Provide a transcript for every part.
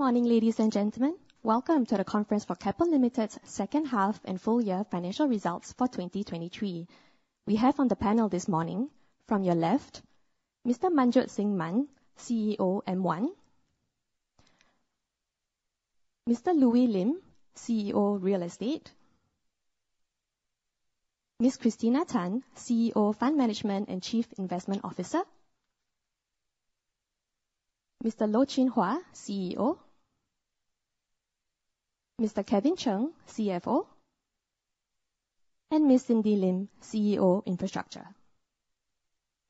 Good morning, ladies and gentlemen. Welcome to the conference for Keppel Limited's second half and full year financial results for 2023. We have on the panel this morning, from your left, Mr. Manjot Singh Mann, CEO, M1; Mr. Louis Lim, CEO, Real Estate; Ms. Christina Tan, CEO, Fund Management and Chief Investment Officer; Mr. Loh Chin Hua, CEO; Mr. Kevin Chng, CFO; and Ms. Cindy Lim, CEO, Infrastructure.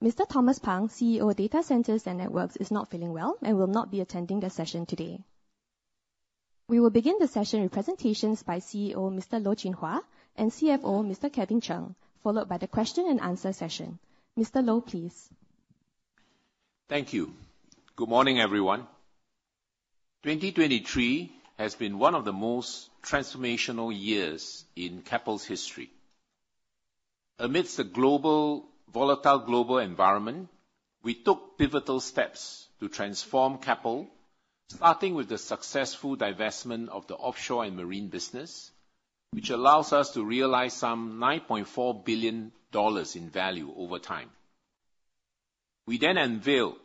Mr. Thomas Pang, CEO, Data Centers and Networks, is not feeling well and will not be attending the session today. We will begin the session with presentations by CEO, Mr. Loh Chin Hua, and CFO, Mr. Kevin Chng, followed by the question and answer session. Mr. Loh, please. Thank you. Good morning, everyone. 2023 has been one of the most transformational years in Keppel's history. Amidst the volatile global environment, we took pivotal steps to transform Keppel, starting with the successful divestment of the offshore and marine business, which allows us to realize some 9.4 billion dollars in value over time. We then unveiled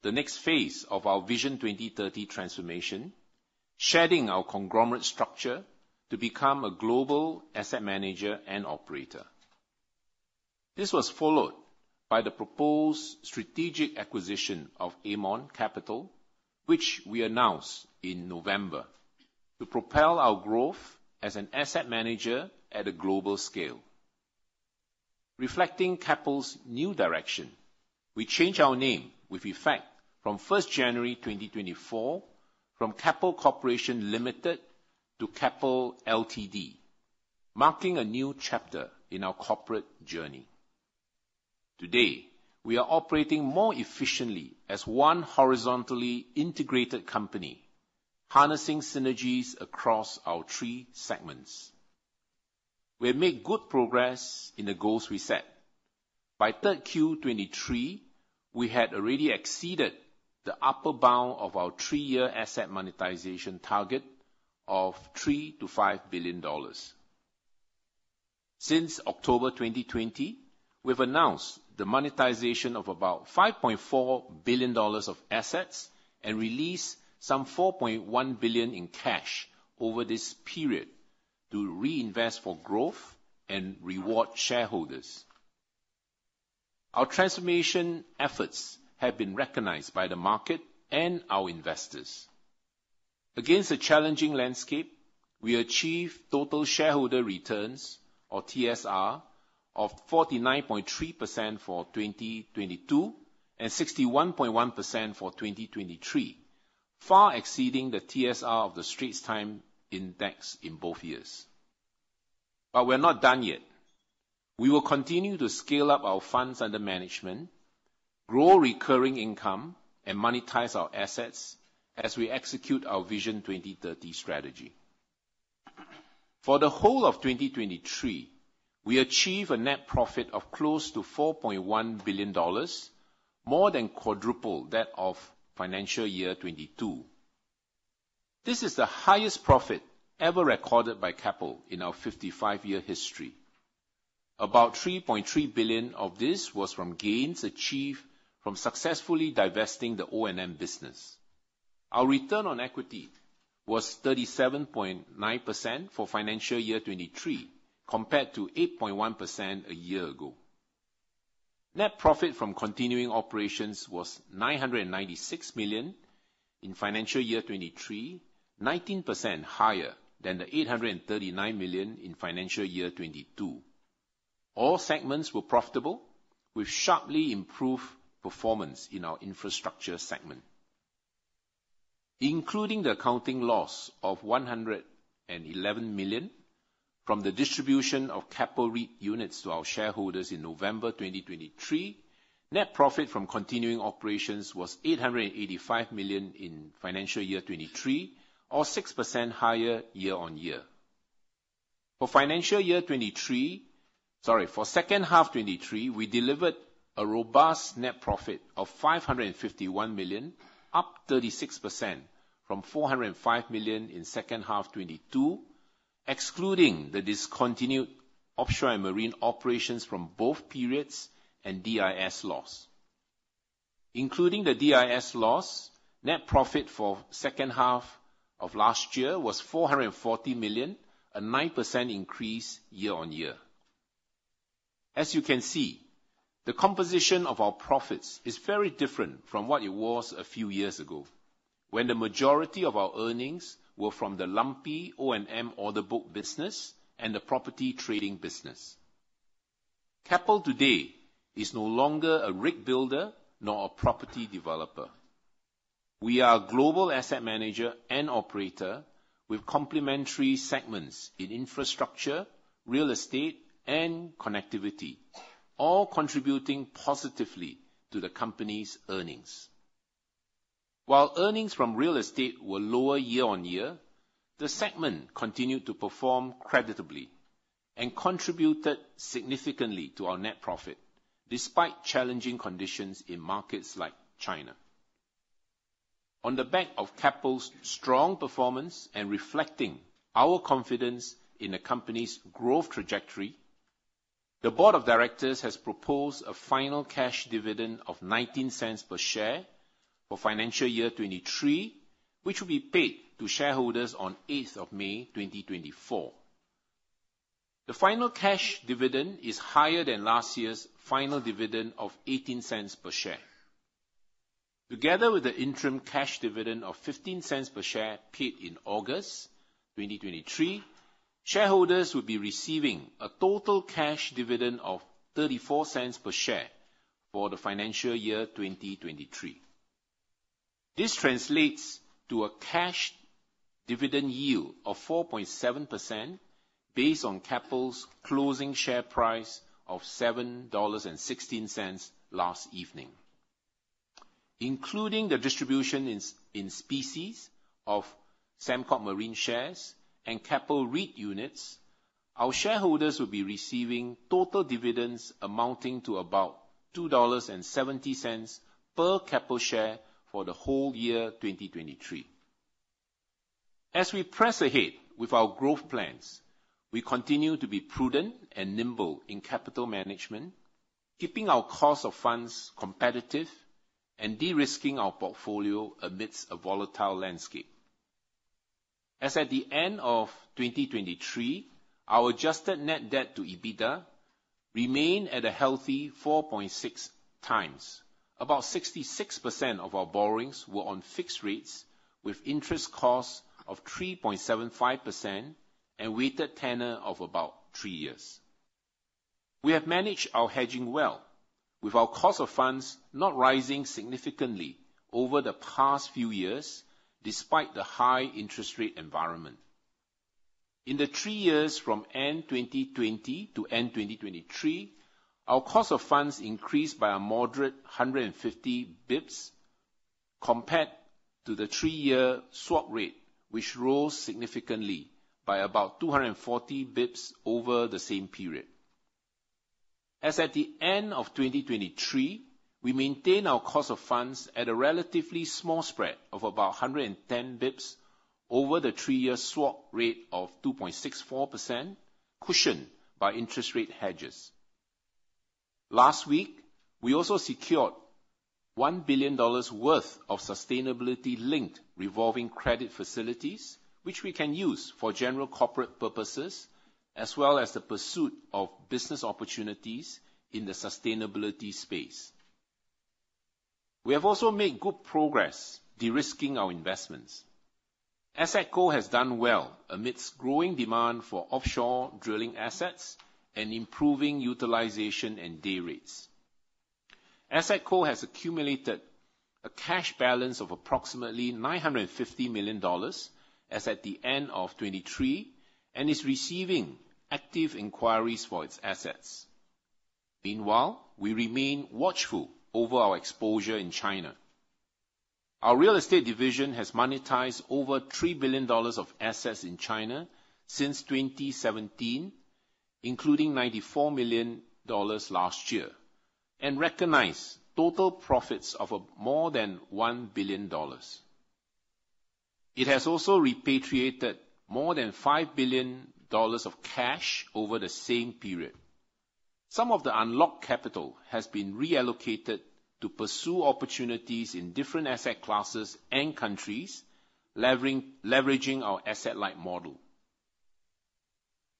the next phase of our Vision 2030 transformation, shedding our conglomerate structure to become a global asset manager and operator. This was followed by the proposed strategic acquisition of Aermont Capital, which we announced in November, to propel our growth as an asset manager at a global scale. Reflecting Keppel's new direction, we changed our name with effect from 1st January 2024, from Keppel Corporation Limited to Keppel Ltd, marking a new chapter in our corporate journey. Today, we are operating more efficiently as one horizontally integrated company, harnessing synergies across our three segments. We have made good progress in the goals we set. By 3Q 2023, we had already exceeded the upper bound of our three-year asset monetization target of $3 billion-$5 billion. Since October 2020, we've announced the monetization of about $5.4 billion of assets and released some $4.1 billion in cash over this period to reinvest for growth and reward shareholders. Our transformation efforts have been recognized by the market and our investors. Against a challenging landscape, we achieved total shareholder returns, or TSR, of 49.3% for 2022, and 61.1% for 2023, far exceeding the TSR of the Straits Times Index in both years. But we're not done yet. We will continue to scale up our funds under management, grow recurring income, and monetize our assets as we execute our Vision 2030 strategy. For the whole of 2023, we achieved a net profit of close to 4.1 billion dollars, more than quadruple that of financial year 2022. This is the highest profit ever recorded by Keppel in our 55-year history. About 3.3 billion of this was from gains achieved from successfully divesting the O&M business. Our return on equity was 37.9% for financial year 2023, compared to 8.1% a year ago. Net profit from continuing operations was 996 million in financial year 2023, 19% higher than the 839 million in financial year 2022. All segments were profitable, with sharply improved performance in our infrastructure segment. Including the accounting loss of 111 million from the distribution of Keppel REIT units to our shareholders in November 2023, net profit from continuing operations was SGD 885 million in financial year 2023, or 6% higher year-on-year. For financial year 2023... Sorry, for second half 2023, we delivered a robust net profit of 551 million, up 36% from 405 million in second half 2022, excluding the discontinued offshore and marine operations from both periods and DIS loss. Including the DIS loss, net profit for second half of last year was 440 million, a 9% increase year-on-year. As you can see, the composition of our profits is very different from what it was a few years ago, when the majority of our earnings were from the lumpy O&M order book business and the property trading business. Keppel today is no longer a rig builder, nor a property developer. We are a global asset manager and operator with complementary segments in infrastructure, real estate, and connectivity, all contributing positively to the company's earnings. While earnings from real estate were lower year-over-year, the segment continued to perform creditably... and contributed significantly to our net profit, despite challenging conditions in markets like China. On the back of Keppel's strong performance and reflecting our confidence in the company's growth trajectory, the board of directors has proposed a final cash dividend of 0.19 per share for financial year 2023, which will be paid to shareholders on 8th of May 2024. The final cash dividend is higher than last year's final dividend of 0.18 per share. Together with the interim cash dividend of 0.15 per share paid in August 2023, shareholders will be receiving a total cash dividend of 0.34 per share for the financial year 2023. This translates to a cash dividend yield of 4.7% based on Keppel's closing share price of 7.16 dollars last evening. Including the distribution in specie of Sembcorp Marine shares and Keppel REIT units, our shareholders will be receiving total dividends amounting to about 2.70 dollars per Keppel share for the whole year 2023. As we press ahead with our growth plans, we continue to be prudent and nimble in capital management, keeping our cost of funds competitive and de-risking our portfolio amidst a volatile landscape. As at the end of 2023, our adjusted net debt to EBITDA remained at a healthy 4.6x. About 66% of our borrowings were on fixed rates, with interest costs of 3.75% and weighted tenor of about three years. We have managed our hedging well, with our cost of funds not rising significantly over the past few years, despite the high interest rate environment. In the three years from end 2020 to end 2023, our cost of funds increased by a moderate 150 basis points, compared to the three-year swap rate, which rose significantly by about 240 basis points over the same period. As at the end of 2023, we maintained our cost of funds at a relatively small spread of about 110 basis points over the three-year swap rate of 2.64%, cushioned by interest rate hedges. Last week, we also secured $1 billion worth of sustainability-linked revolving credit facilities, which we can use for general corporate purposes, as well as the pursuit of business opportunities in the sustainability space. We have also made good progress de-risking our investments. AssetCo has done well amidst growing demand for offshore drilling assets and improving utilization and day rates. AssetCo has accumulated a cash balance of approximately $950 million as at the end of 2023, and is receiving active inquiries for its assets. Meanwhile, we remain watchful over our exposure in China. Our real estate division has monetized over $3 billion of assets in China since 2017, including $94 million last year, and recognized total profits of more than $1 billion. It has also repatriated more than $5 billion of cash over the same period. Some of the unlocked capital has been reallocated to pursue opportunities in different asset classes and countries, levering, leveraging our asset-light model.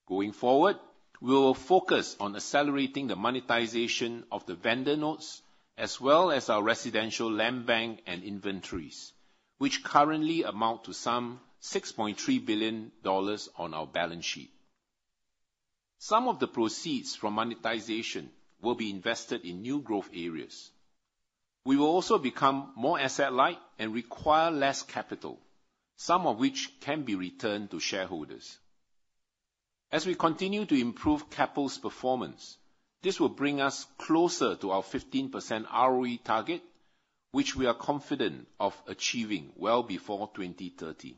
Going forward, we will focus on accelerating the monetization of the vendor notes, as well as our residential land bank and inventories, which currently amount to some $6.3 billion on our balance sheet. Some of the proceeds from monetization will be invested in new growth areas. We will also become more asset-light and require less capital, some of which can be returned to shareholders. As we continue to improve Keppel's performance, this will bring us closer to our 15% ROE target, which we are confident of achieving well before 2030.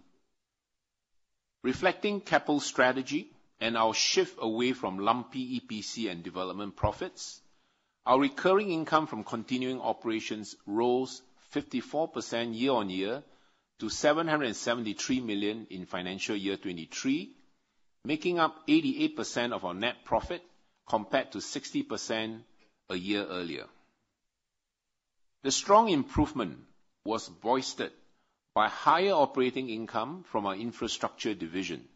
Reflecting Keppel's strategy and our shift away from lumpy EPC and development profits, our recurring income from continuing operations rose 54% year-on-year to 773 million in financial year 2023, making up 88% of our net profit, compared to 60% a year earlier. The strong improvement was boosted by higher operating income from our infrastructure division,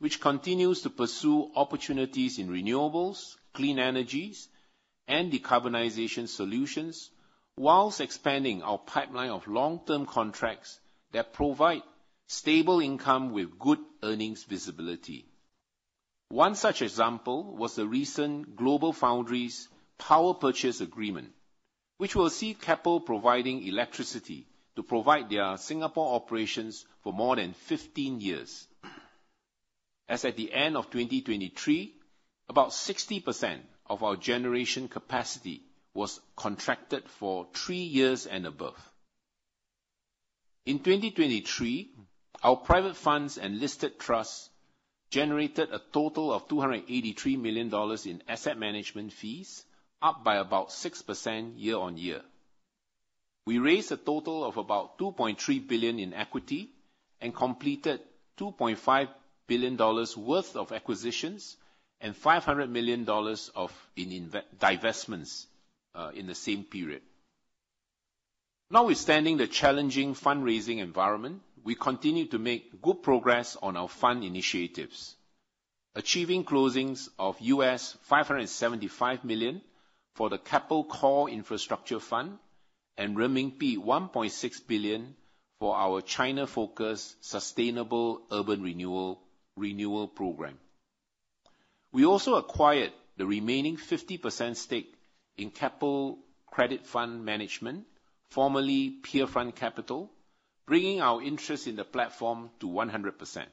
which continues to pursue opportunities in renewables, clean energies, and decarbonization solutions, while expanding our pipeline of long-term contracts that provide stable income with good earnings visibility. One such example was the recent GlobalFoundries power purchase agreement, which will see Keppel providing electricity to power their Singapore operations for more than 15 years. As at the end of 2023, about 60% of our generation capacity was contracted for three years and above. In 2023, our private funds and listed trusts generated a total of $283 million in asset management fees, up by about 6% year-on-year. We raised a total of about $2.3 billion in equity and completed $2.5 billion worth of acquisitions, and $500 million of investments/divestments in the same period. Notwithstanding the challenging fundraising environment, we continue to make good progress on our fund initiatives, achieving closings of $575 million for the Keppel Core Infrastructure Fund, and renminbi 1.6 billion for our China-focused sustainable urban renewal program. We also acquired the remaining 50% stake in Keppel Credit Fund Management, formerly Pierfront Capital, bringing our interest in the platform to 100%.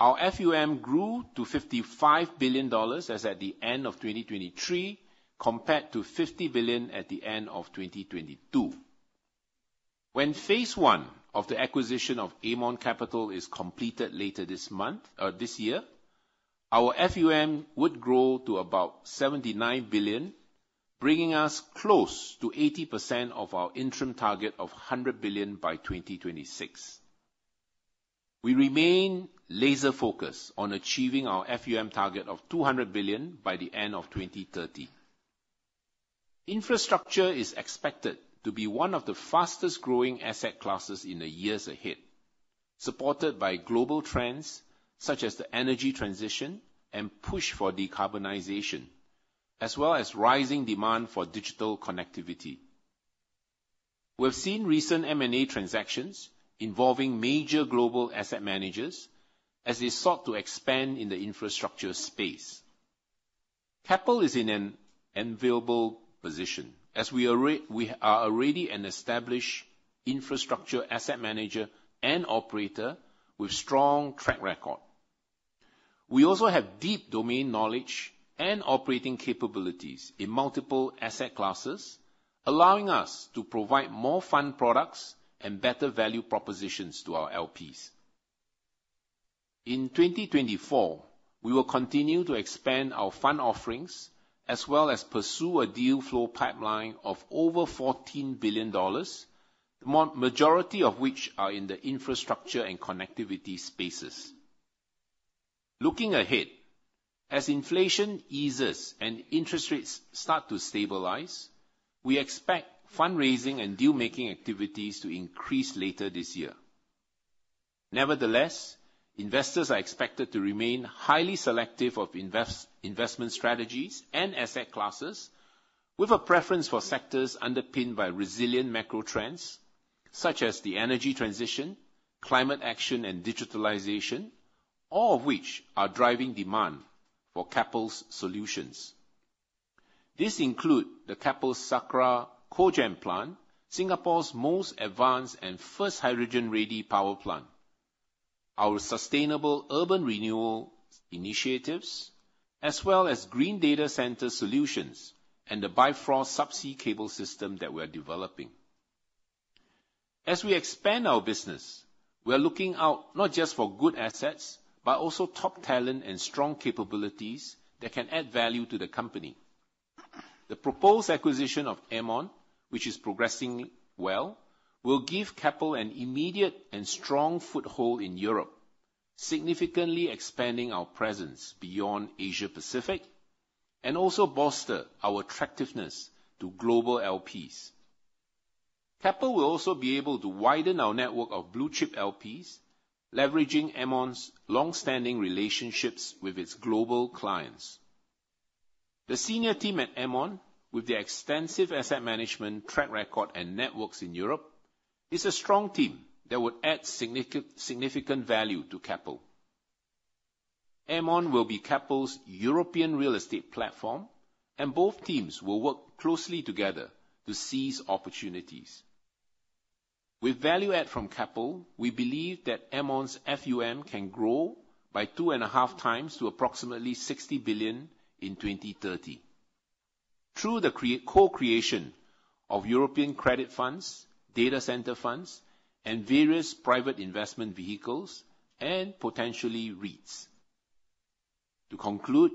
Our FUM grew to $55 billion as at the end of 2023, compared to $50 billion at the end of 2022. When phase one of the acquisition of Aermont Capital is completed later this month, this year, our FUM would grow to about $79 billion, bringing us close to 80% of our interim target of $100 billion by 2026. We remain laser-focused on achieving our FUM target of 200 billion by the end of 2030. Infrastructure is expected to be one of the fastest-growing asset classes in the years ahead, supported by global trends such as the energy transition and push for decarbonization, as well as rising demand for digital connectivity. We've seen recent M&A transactions involving major global asset managers as they sought to expand in the infrastructure space. Keppel is in an enviable position as we are already an established infrastructure asset manager and operator with strong track record. We also have deep domain knowledge and operating capabilities in multiple asset classes, allowing us to provide more fund products and better value propositions to our LPs. In 2024, we will continue to expand our fund offerings, as well as pursue a deal flow pipeline of over $14 billion, majority of which are in the infrastructure and connectivity spaces. Looking ahead, as inflation eases and interest rates start to stabilize, we expect fundraising and deal-making activities to increase later this year. Nevertheless, investors are expected to remain highly selective of investment strategies and asset classes, with a preference for sectors underpinned by resilient macro trends such as the energy transition, climate action, and digitalization, all of which are driving demand for Keppel's solutions. This include the Keppel Sakra Cogen Plant, Singapore's most advanced and first hydrogen-ready power plant, our sustainable urban renewal initiatives, as well as green data center solutions, and the Bifrost subsea cable system that we're developing. As we expand our business, we're looking out not just for good assets, but also top talent and strong capabilities that can add value to the company. The proposed acquisition of Aermont, which is progressing well, will give Keppel an immediate and strong foothold in Europe, significantly expanding our presence beyond Asia Pacific, and also bolster our attractiveness to global LPs. Keppel will also be able to widen our network of blue-chip LPs, leveraging Aermont's long-standing relationships with its global clients. The senior team at Aermont, with their extensive asset management track record and networks in Europe, is a strong team that would add significant value to Keppel. Aermont will be Keppel's European real estate platform, and both teams will work closely together to seize opportunities. With value add from Keppel, we believe that Aermont's FUM can grow by 2.5x to approximately 60 billion in 2030. Through the co-creation of European credit funds, data center funds, and various private investment vehicles, and potentially REITs. To conclude,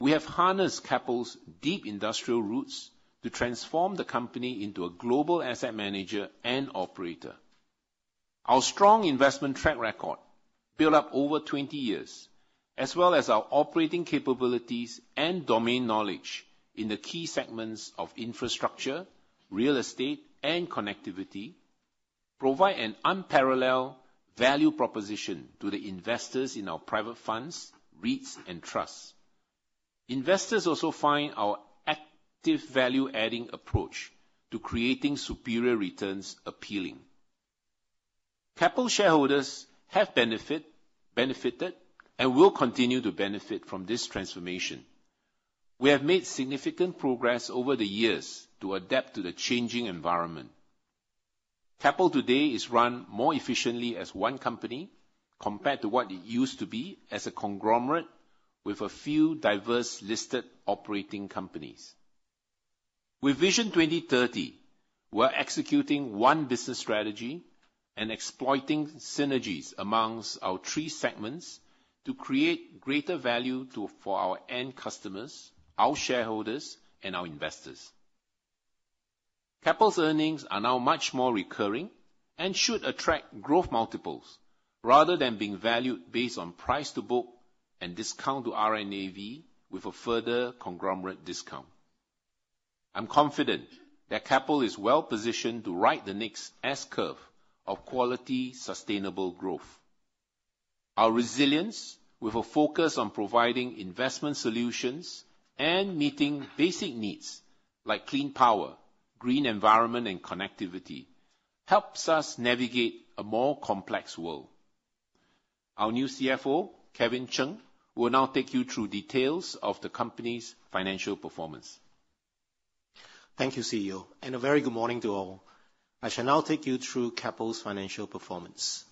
we have harnessed Keppel's deep industrial roots to transform the company into a global asset manager and operator. Our strong investment track record, built up over 20 years, as well as our operating capabilities and domain knowledge in the key segments of infrastructure, real estate, and connectivity, provide an unparalleled value proposition to the investors in our private funds, REITs, and trusts. Investors also find our active value-adding approach to creating superior returns appealing. Keppel shareholders have benefited, and will continue to benefit from this transformation. We have made significant progress over the years to adapt to the changing environment. Keppel today is run more efficiently as one company compared to what it used to be as a conglomerate with a few diverse listed operating companies. With Vision 2030, we're executing one business strategy and exploiting synergies among our three segments to create greater value to, for our end customers, our shareholders, and our investors. Keppel's earnings are now much more recurring and should attract growth multiples, rather than being valued based on price to book and discount to RNAV, with a further conglomerate discount. I'm confident that Keppel is well-positioned to ride the next S-curve of quality, sustainable growth. Our resilience, with a focus on providing investment solutions and meeting basic needs like clean power, green environment, and connectivity, helps us navigate a more complex world. Our new CFO, Kevin Chng, will now take you through details of the company's financial performance. Thank you, CEO, and a very good morning to all. I shall now take you through Keppel's financial performance.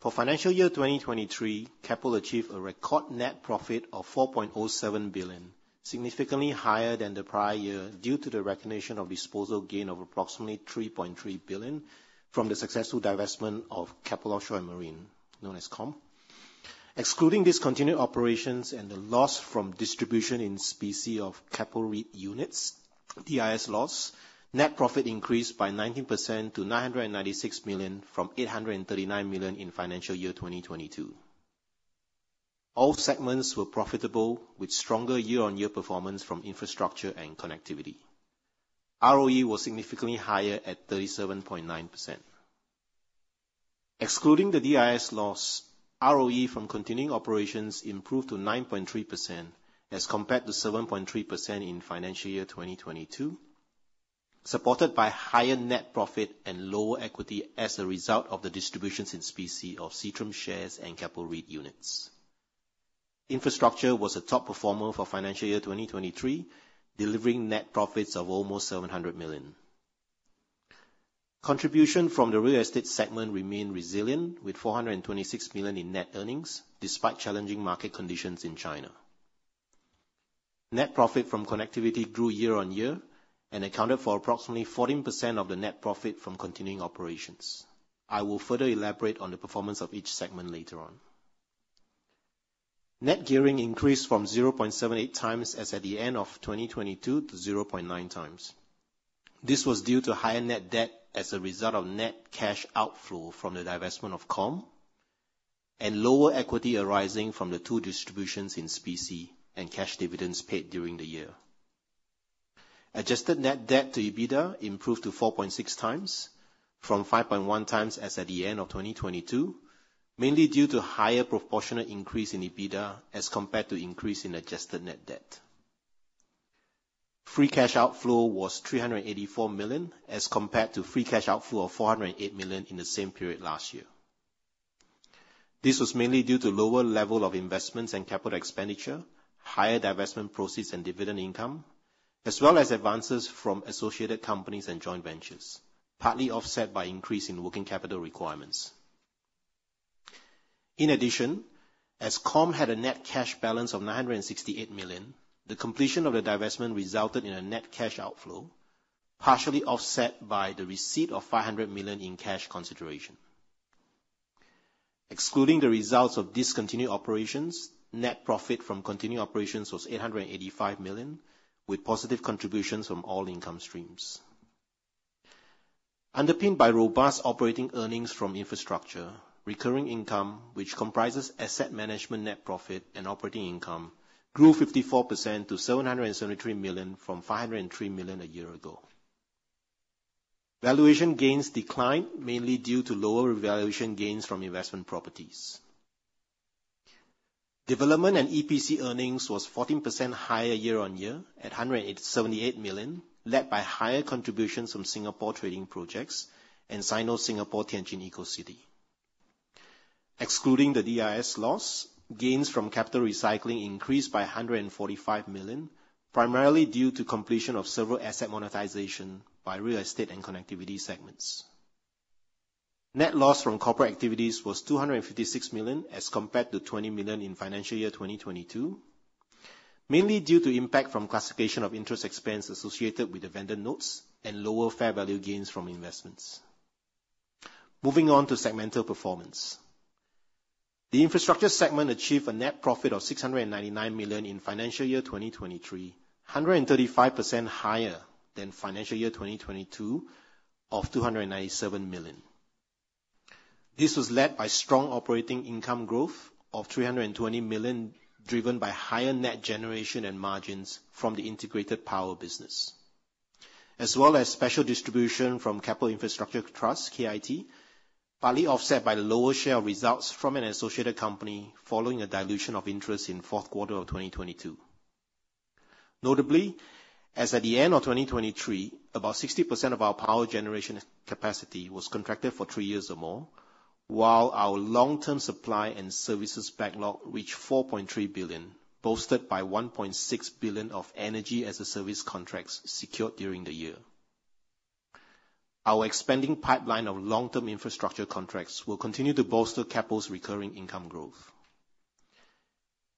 For financial year 2023, Keppel achieved a record net profit of SGD 4.07 billion, significantly higher than the prior year, due to the recognition of disposal gain of approximately 3.3 billion from the successful divestment of Keppel Offshore & Marine, known as KOM. Excluding discontinued operations and the loss from distribution in specie of Keppel REIT units, DIS loss, net profit increased by 19% to 996 million, from 839 million in financial year 2022. All segments were profitable, with stronger year-on-year performance from infrastructure and connectivity. ROE was significantly higher at 37.9%. Excluding the DIS loss, ROE from continuing operations improved to 9.3%, as compared to 7.3% in financial year 2022, supported by higher net profit and lower equity as a result of the distributions in specie of Seatrium shares and Keppel REIT units. Infrastructure was a top performer for financial year 2023, delivering net profits of almost SGD 700 million. Contribution from the real estate segment remained resilient, with SGD 426 million in net earnings, despite challenging market conditions in China. Net profit from connectivity grew year-on-year and accounted for approximately 14% of the net profit from continuing operations. I will further elaborate on the performance of each segment later on. Net gearing increased from 0.78x, as at the end of 2022, to 0.9x. This was due to higher net debt as a result of net cash outflow from the divestment of KOM, and lower equity arising from the two distributions in specie, and cash dividends paid during the year. Adjusted net debt to EBITDA improved to 4.6x from 5.1x, as at the end of 2022, mainly due to higher proportionate increase in EBITDA, as compared to increase in adjusted net debt. Free cash outflow was 384 million, as compared to free cash outflow of 408 million in the same period last year. This was mainly due to lower level of investments and capital expenditure, higher divestment proceeds and dividend income, as well as advances from associated companies and joint ventures, partly offset by increase in working capital requirements. In addition, as KOM had a net cash balance of 968 million, the completion of the divestment resulted in a net cash outflow, partially offset by the receipt of 500 million in cash consideration. Excluding the results of discontinued operations, net profit from continuing operations was SGD 885 million, with positive contributions from all income streams. Underpinned by robust operating earnings from infrastructure, recurring income, which comprises asset management, net profit, and operating income, grew 54% to 773 million, from 503 million a year ago. Valuation gains declined, mainly due to lower valuation gains from investment properties. Development and EPC earnings was 14% higher year-on-year, at 178 million, led by higher contributions from Singapore trading projects and Sino-Singapore Tianjin Eco-City. Excluding the DIS loss, gains from capital recycling increased by 145 million, primarily due to completion of several asset monetization by real estate and connectivity segments. Net loss from corporate activities was SGD 256 million, as compared to SGD 20 million in financial year 2022, mainly due to impact from classification of interest expense associated with the vendor notes and lower fair value gains from investments. Moving on to segmental performance. The infrastructure segment achieved a net profit of SGD 699 million in financial year 2023, 135% higher than financial year 2022, of 297 million. This was led by strong operating income growth of 300 million, driven by higher net generation and margins from the integrated power business, as well as special distribution from Keppel Infrastructure Trust, KIT, partly offset by the lower share of results from an associated company, following a dilution of interest in fourth quarter of 2022. Notably, as at the end of 2023, about 60% of our power generation capacity was contracted for three years or more, while our long-term supply and services backlog reached 4.3 billion, boosted by 1.6 billion of energy as a service contracts secured during the year. Our expanding pipeline of long-term infrastructure contracts will continue to bolster Keppel's recurring income growth.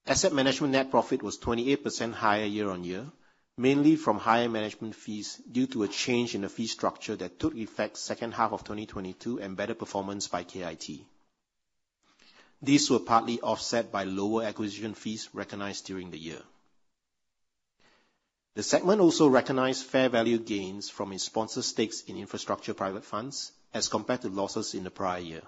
Asset Management net profit was 28% higher year-on-year, mainly from higher management fees due to a change in the fee structure that took effect second half of 2022, and better performance by KIT. These were partly offset by lower acquisition fees recognized during the year. The segment also recognized fair value gains from its sponsor stakes in infrastructure private funds, as compared to losses in the prior year.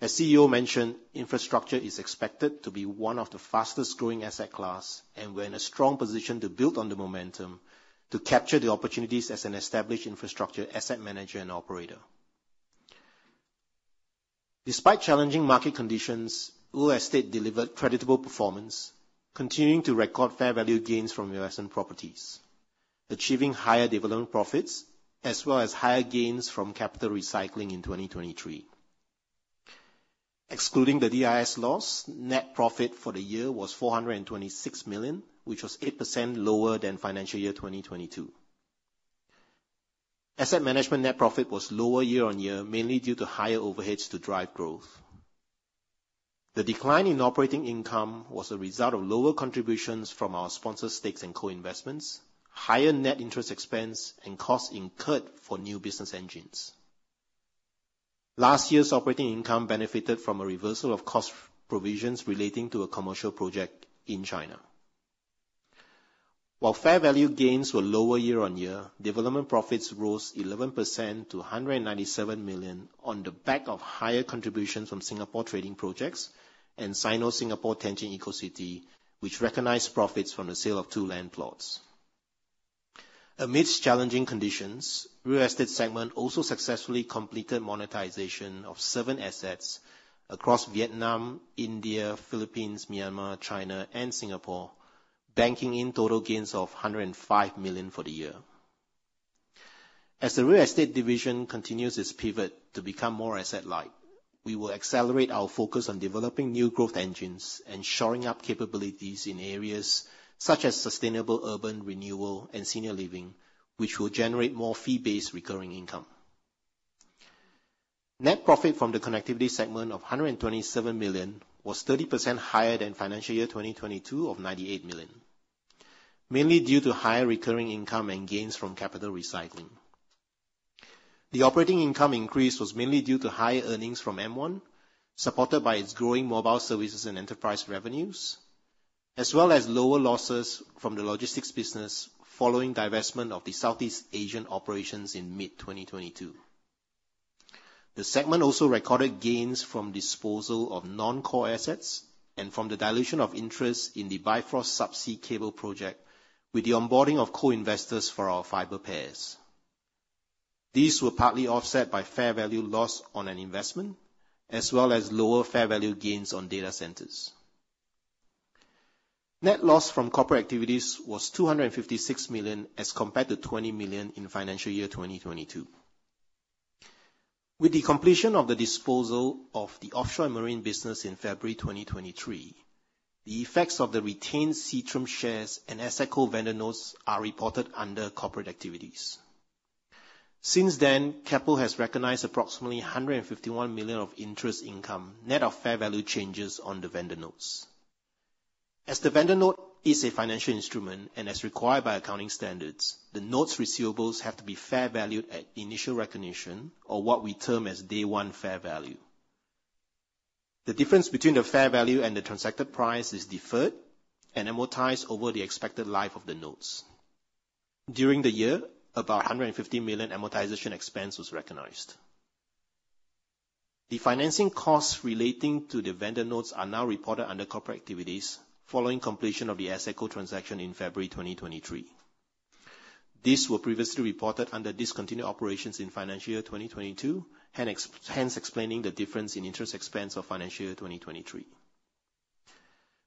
As CEO mentioned, infrastructure is expected to be one of the fastest growing asset class, and we're in a strong position to build on the momentum to capture the opportunities as an established infrastructure asset manager and operator. Despite challenging market conditions, Real Estate delivered creditable performance, continuing to record fair value gains from real estate properties, achieving higher development profits, as well as higher gains from capital recycling in 2023. Excluding the DIS loss, net profit for the year was 426 million, which was 8% lower than financial year 2022. Asset Management net profit was lower year-on-year, mainly due to higher overheads to drive growth. The decline in operating income was a result of lower contributions from our sponsor stakes and co-investments, higher net interest expense, and costs incurred for new business engines. Last year's operating income benefited from a reversal of cost provisions relating to a commercial project in China. While fair value gains were lower year-on-year, development profits rose 11% to 197 million, on the back of higher contributions from Singapore trading projects and Sino-Singapore Tianjin Eco-City, which recognized profits from the sale of two land plots. Amidst challenging conditions, Real Estate segment also successfully completed monetization of seven assets across Vietnam, India, Philippines, Myanmar, China and Singapore, banking in total gains of 105 million for the year. As the Real Estate division continues its pivot to become more asset-light, we will accelerate our focus on developing new growth engines and shoring up capabilities in areas such as sustainable urban renewal and senior living, which will generate more fee-based recurring income. Net profit from the Connectivity segment of 127 million was 30% higher than financial year 2022 of 98 million, mainly due to higher recurring income and gains from capital recycling. The operating income increase was mainly due to higher earnings from M1, supported by its growing mobile services and enterprise revenues, as well as lower losses from the logistics business following divestment of the Southeast Asian operations in mid-2022. The segment also recorded gains from disposal of non-core assets and from the dilution of interest in the Bifrost Subsea Cable Project, with the onboarding of co-investors for our fiber pairs. These were partly offset by fair value loss on an investment, as well as lower fair value gains on data centers. Net loss from corporate activities was SGD 256 million, as compared to SGD 20 million in financial year 2022. With the completion of the disposal of the Offshore and Marine business in February 2023, the effects of the retained Seatrium shares and asset co-vendor notes are reported under corporate activities. Since then, Keppel has recognized approximately 151 million of interest income, net of fair value changes on the vendor notes. As the vendor note is a financial instrument, and as required by accounting standards, the notes receivables have to be fair valued at initial recognition, or what we term as Day One Fair Value. The difference between the fair value and the transacted price is deferred and amortized over the expected life of the notes. During the year, about 150 million amortization expense was recognized. The financing costs relating to the vendor notes are now reported under Corporate Activities, following completion of the Sembcorp transaction in February 2023. These were previously reported under discontinued operations in financial year 2022, hence, explaining the difference in interest expense of financial year 2023.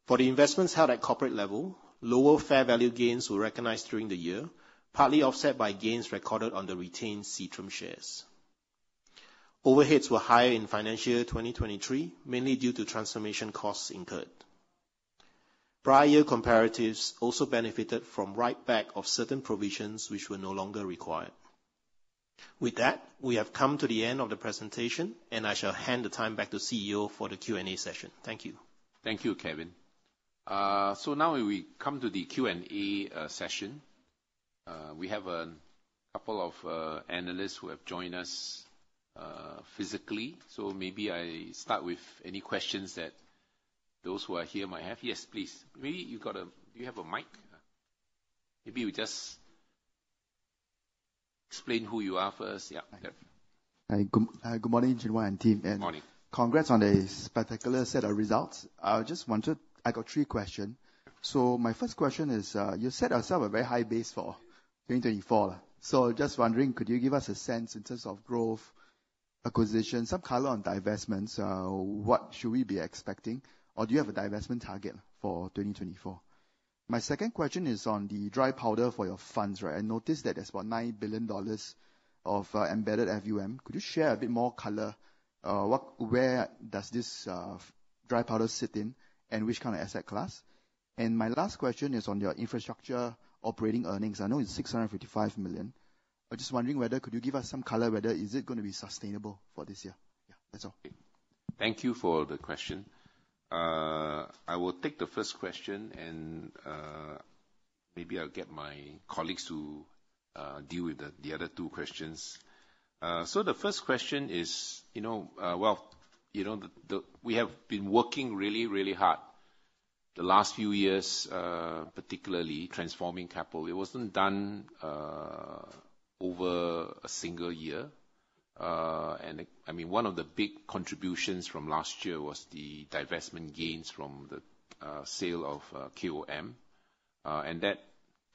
For the investments held at corporate level, lower fair value gains were recognized during the year, partly offset by gains recorded on the retained Seatrium shares. Overheads were higher in financial year 2023, mainly due to transformation costs incurred. Prior year comparatives also benefited from write-back of certain provisions which were no longer required. With that, we have come to the end of the presentation, and I shall hand the time back to CEO for the Q&A session. Thank you. Thank you, Kevin. So now we come to the Q&A session. We have a couple of analysts who have joined us physically. So maybe I start with any questions that those who are here might have. Yes, please. Maybe you got a... Do you have a mic? Maybe you just explain who you are first. Yeah, okay. Hi, good morning, Chin Hua and team. Good morning. Congrats on a spectacular set of results. I just wondered, I got three questions. So my first question is, you set ourselves a very high base for 2024. So just wondering, could you give us a sense in terms of growth, acquisition, some color on divestments? What should we be expecting, or do you have a divestment target for 2024? My second question is on the dry powder for your funds, right? I noticed that there's about $9 billion of embedded FUM. Could you share a bit more color? Where does this dry powder sit in, and which kind of asset class? My last question is on your infrastructure operating earnings. I know it's 655 million. I'm just wondering whether could you give us some color, whether is it gonna be sustainable for this year? Yeah, that's all. Thank you for the question. I will take the first question, and maybe I'll get my colleagues to deal with the other two questions. So the first question is, you know, well, you know, we have been working really, really hard the last few years, particularly transforming capital. It wasn't done over a single year. And, I mean, one of the big contributions from last year was the divestment gains from the sale of KOM. And that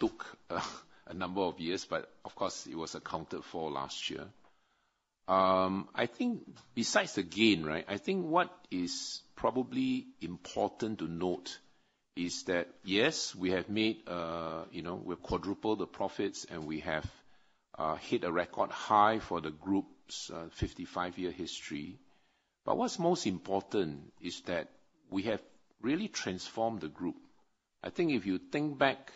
took a number of years, but of course it was accounted for last year. I think besides the gain, right? I think what is probably important to note is that, yes, we have made, you know, we've quadrupled the profits, and we have hit a record high for the group's 55-year history. But what's most important is that we have really transformed the group. I think if you think back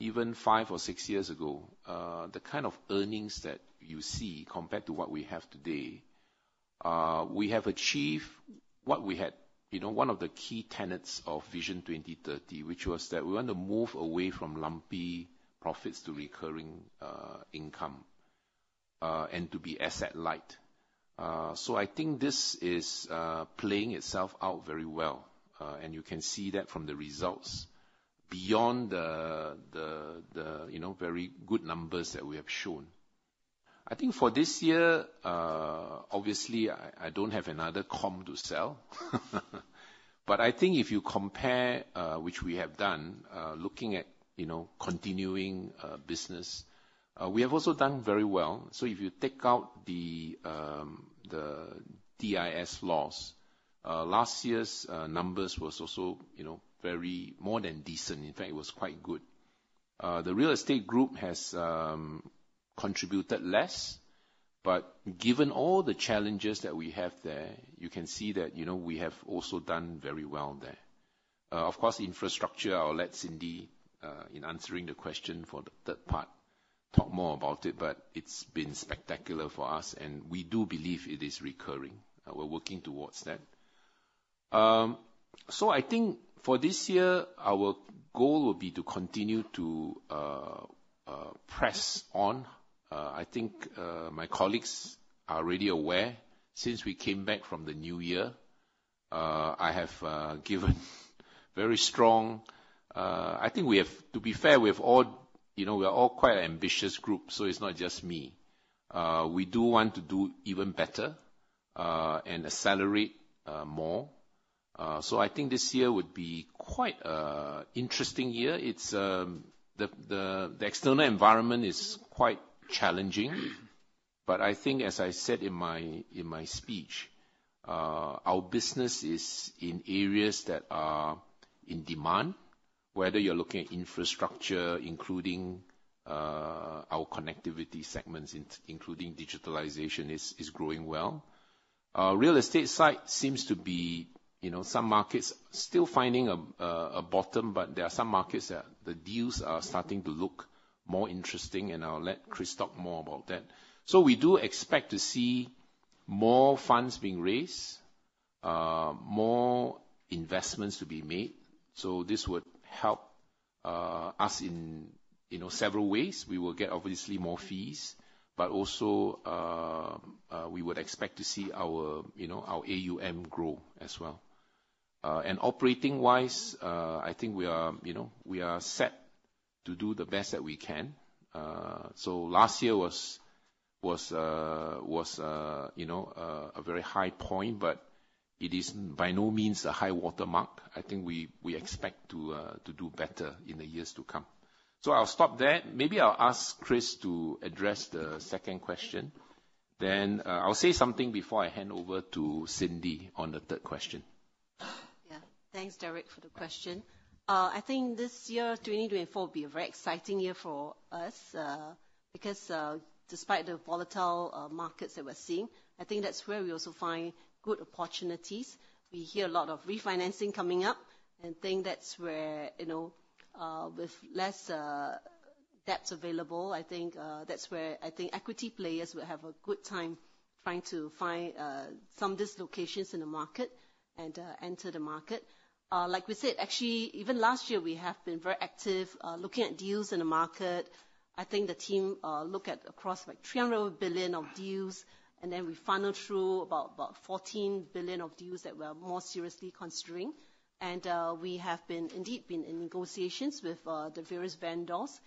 even five or six years ago, the kind of earnings that you see compared to what we have today, we have achieved what we had. You know, one of the key tenets of Vision 2030, which was that we want to move away from lumpy profits to recurring, income, and to be asset light. So I think this is, playing itself out very well, and you can see that from the results, beyond the, you know, very good numbers that we have shown. I think for this year, obviously, I don't have another KOM to sell. But I think if you compare, which we have done, looking at, you know, continuing business, we have also done very well. So if you take out the, the DIS loss, last year's numbers was also, you know, very more than decent. In fact, it was quite good. The real estate group has contributed less, but given all the challenges that we have there, you can see that, you know, we have also done very well there. Of course, infrastructure, I'll let Cindy, in answering the question for the third part, talk more about it, but it's been spectacular for us, and we do believe it is recurring. We're working towards that. So I think for this year, our goal will be to continue to press on. I think, my colleagues are already aware, since we came back from the new year, I have given very strong. I think we have--to be fair, we have all, you know, we are all quite an ambitious group, so it's not just me. We do want to do even better, and accelerate, more. So I think this year would be quite an interesting year. It's, the external environment is quite challenging. But I think, as I said in my, in my speech, our business is in areas that are in demand, whether you're looking at infrastructure, including, our connectivity segments, including digitalization, is growing well. Real estate side seems to be, you know, some markets still finding a bottom, but there are some markets that the deals are starting to look more interesting, and I'll let Chris talk more about that. So we do expect to see more funds being raised, more investments to be made. So this would help us in, you know, several ways. We will get, obviously, more fees, but also, we would expect to see our, you know, our AUM grow as well. And operating-wise, I think we are, you know, we are set to do the best that we can. So last year was, you know, a very high point, but it is by no means a high watermark. I think we expect to do better in the years to come. So I'll stop there. Maybe I'll ask Chris to address the second question. Then, I'll say something before I hand over to Cindy on the third question. Yeah. Thanks, Derek, for the question. I think this year, 2024, will be a very exciting year for us, because, despite the volatile, markets that we're seeing, I think that's where we also find good opportunities. We hear a lot of refinancing coming up, and I think that's where, you know, with less, debts available, I think, that's where I think equity players will have a good time trying to find, some dislocations in the market and, enter the market. Like we said, actually, even last year, we have been very active, looking at deals in the market. I think the team, look at across, like, 300 billion of deals, and then we funnel through about, about 14 billion of deals that we are more seriously considering. We have indeed been in negotiations with the various vendors.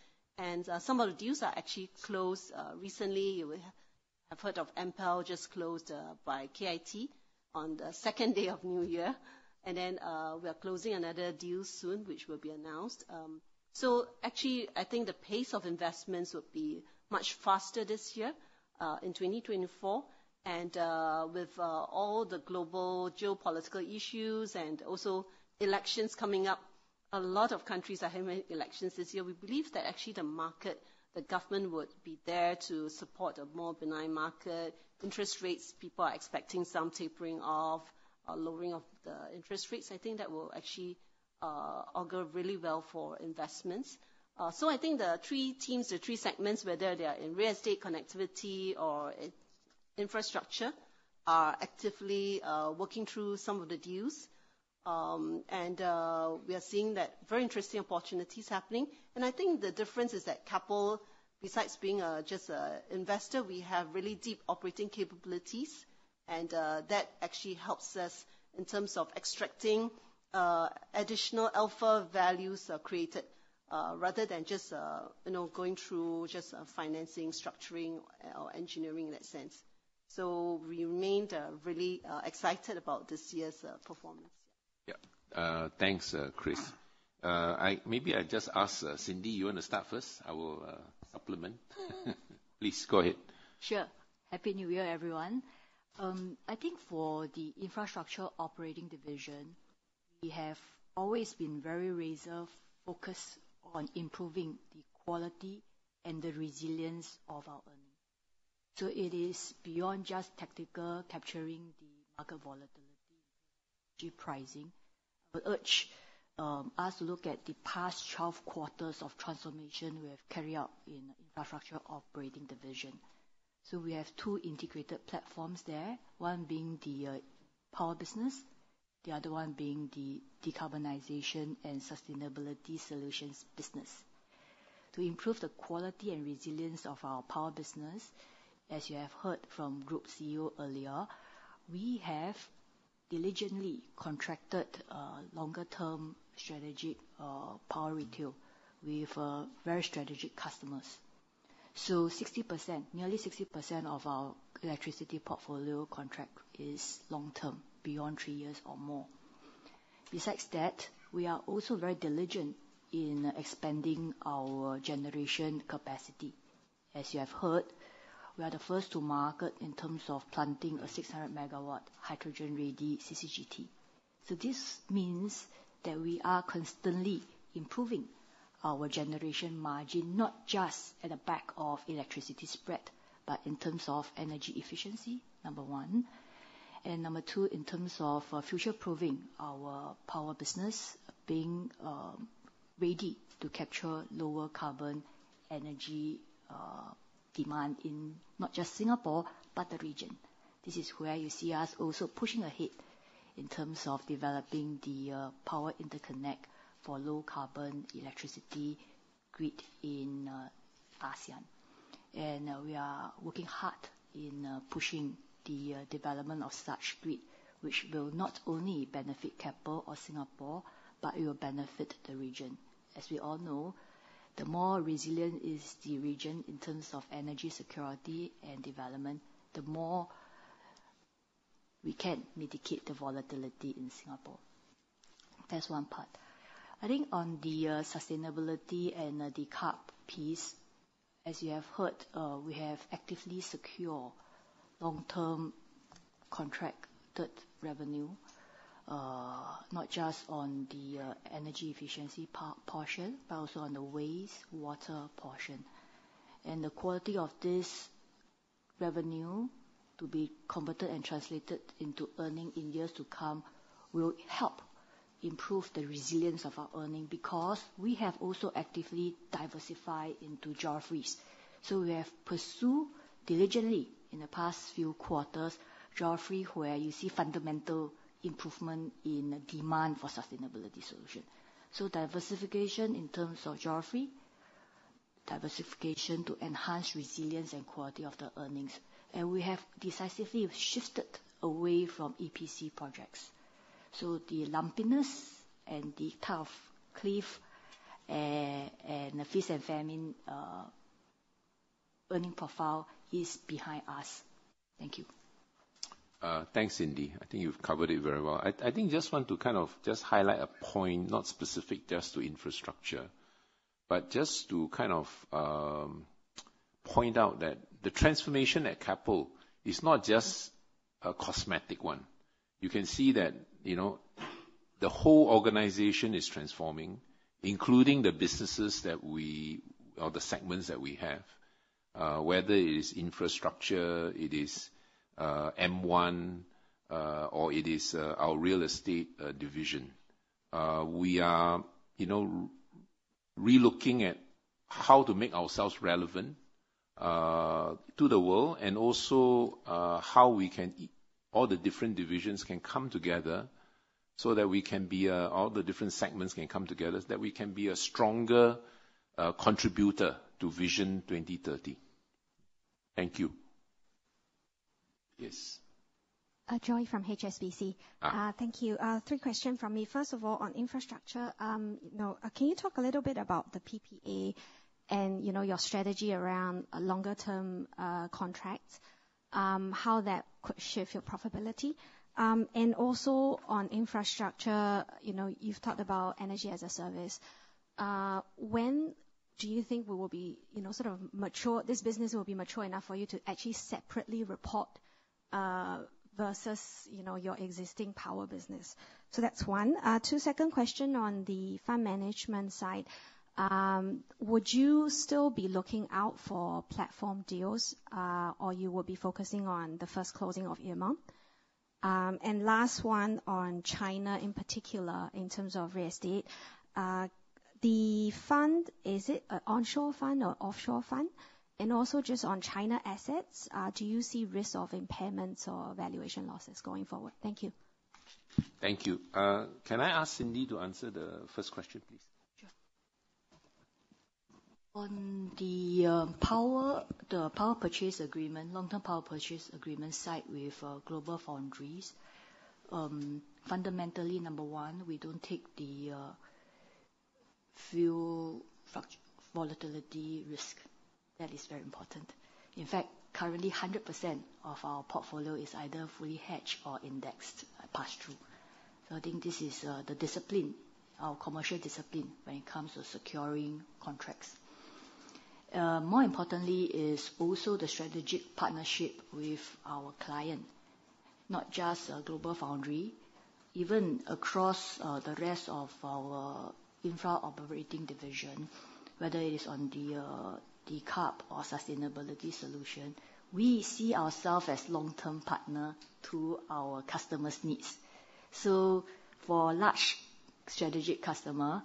Some of the deals are actually closed. Recently we have heard of Enpal just closed by KIT on the second day of new year. We are closing another deal soon, which will be announced. Actually, I think the pace of investments would be much faster this year, in 2024. With all the global geopolitical issues and also elections coming up, a lot of countries are having elections this year. We believe that actually the market, the government would be there to support a more benign market. Interest rates, people are expecting some tapering off, a lowering of the interest rates. I think that will actually augur really well for investments. So I think the three teams, the three segments, whether they are in real estate, connectivity, or infrastructure, are actively working through some of the deals. And we are seeing that very interesting opportunities happening. And I think the difference is that Keppel, besides being just a investor, we have really deep operating capabilities, and that actually helps us in terms of extracting additional alpha values are created rather than just you know, going through just financing, structuring, or engineering in that sense. So we remained really excited about this year's performance. Yeah. Thanks, Chris. Maybe I just ask, Cindy, you want to start first? I will supplement. Please, go ahead. Sure. Happy New Year, everyone. I think for the infrastructure operating division, we have always been very reserved, focused on improving the quality and the resilience of our earnings. So it is beyond just tactical, capturing the market volatility, pricing. I would urge us to look at the past 12 quarters of transformation we have carry out in infrastructure operating division. So we have two integrated platforms there, one being the power business, the other one being the decarbonization and sustainability solutions business. To improve the quality and resilience of our power business, as you have heard from Group CEO earlier, we have diligently contracted longer-term strategic power retail with very strategic customers. So 60%, nearly 60% of our electricity portfolio contract is long-term, beyond three years or more. Besides that, we are also very diligent in expanding our generation capacity. As you have heard, we are the first to market in terms of planting a 600-MW hydrogen-ready CCGT. So this means that we are constantly improving our generation margin, not just at the back of electricity spread, but in terms of energy efficiency, number one, and number two, in terms of future-proofing our power business, being ready to capture lower carbon energy demand in not just Singapore, but the region. This is where you see us also pushing ahead in terms of developing the power interconnect for low-carbon electricity grid in ASEAN. And we are working hard in pushing the development of such grid, which will not only benefit Keppel or Singapore, but it will benefit the region. As we all know, the more resilient is the region in terms of energy security and development, the more we can mitigate the volatility in Singapore. That's one part. I think on the, sustainability and, the carp piece, as you have heard, we have actively secure long-term contracted revenue, not just on the, energy efficiency portion, but also on the waste water portion. And the quality of this revenue to be converted and translated into earning in years to come, will help improve the resilience of our earning, because we have also actively diversified into geographies. So we have pursued diligently in the past few quarters, geography, where you see fundamental improvement in demand for sustainability solution. So diversification in terms of geography, diversification to enhance resilience and quality of the earnings. And we have decisively shifted away from EPC projects. The lumpiness and the tough cliff, and the feast and famine, earning profile is behind us. Thank you. Thanks, Cindy. I think you've covered it very well. I think I just want to kind of just highlight a point, not specific just to infrastructure, but just to kind of point out that the transformation at Keppel is not just a cosmetic one. You can see that, you know, the whole organization is transforming, including the businesses that we... or the segments that we have, whether it is infrastructure, it is M1, or it is our real estate division. We are, you know, relooking at how to make ourselves relevant to the world, and also how we can, all the different divisions can come together so that we can be a, all the different segments can come together, so that we can be a stronger contributor to Vision 2030. Thank you. Yes. Joy from HSBC. Thank you. Three questions from me. First of all, on infrastructure, now, can you talk a little bit about the PPA and, you know, your strategy around a longer-term contract, how that could shift your profitability? And also on infrastructure, you know, you've talked about energy as a service. Do you think we will be, you know, sort of mature, this business will be mature enough for you to actually separately report versus, you know, your existing power business? So that's one. Two, second question on the fund management side. Would you still be looking out for platform deals, or you will be focusing on the first closing of Aermont? And last one on China, in particular, in terms of real estate. The fund, is it an onshore fund or offshore fund? Also just on China assets, do you see risk of impairments or valuation losses going forward? Thank you. Thank you. Can I ask Cindy to answer the first question, please? Sure. On the power, the power purchase agreement, long-term power purchase agreement signed with GlobalFoundries. Fundamentally, number one, we don't take the fuel volatility risk. That is very important. In fact, currently, 100% of our portfolio is either fully hedged or indexed pass-through. So I think this is the discipline, our commercial discipline, when it comes to securing contracts. More importantly, is also the strategic partnership with our client, not just GlobalFoundries, even across the rest of our infra operating division, whether it is on the decarb or sustainability solution, we see ourselves as long-term partner to our customers' needs. So for large strategic customer,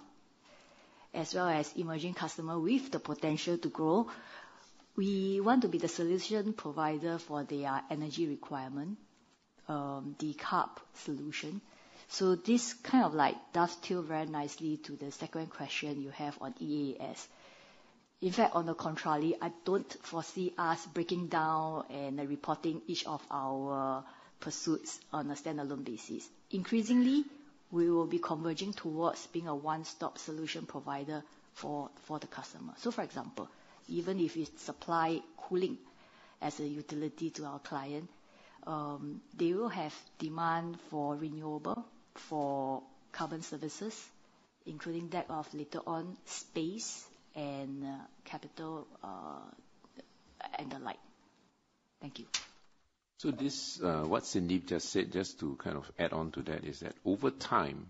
as well as emerging customer with the potential to grow, we want to be the solution provider for their energy requirement, decarb solution. So this kind of like dovetails very nicely to the second question you have on EAS. In fact, on the contrary, I don't foresee us breaking down and reporting each of our pursuits on a standalone basis. Increasingly, we will be converging towards being a one-stop solution provider for the customer. So for example, even if we supply cooling as a utility to our client, they will have demand for renewable, for carbon services, including that of, later on, space and capital, and the like. Thank you. So this, what Cindy just said, just to kind of add on to that, is that over time,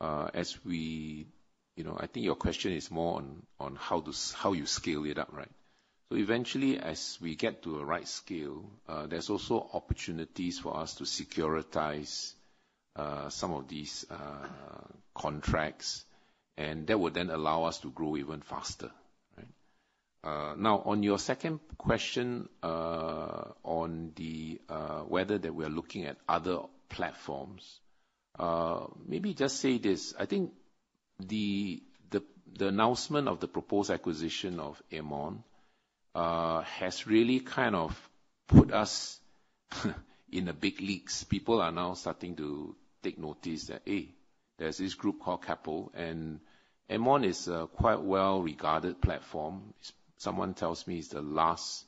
as we... You know, I think your question is more on, on how to, how you scale it up, right? So eventually, as we get to a right scale, there's also opportunities for us to securitize, some of these, contracts, and that would then allow us to grow even faster, right? Now, on your second question, on the, whether that we're looking at other platforms, maybe just say this: I think the, the, the announcement of the proposed acquisition of Aermont, has really kind of put us, in the big leagues. People are now starting to take notice that, hey, there's this group called Keppel, and Aermont is a quite well-regarded platform. Someone tells me it's the last,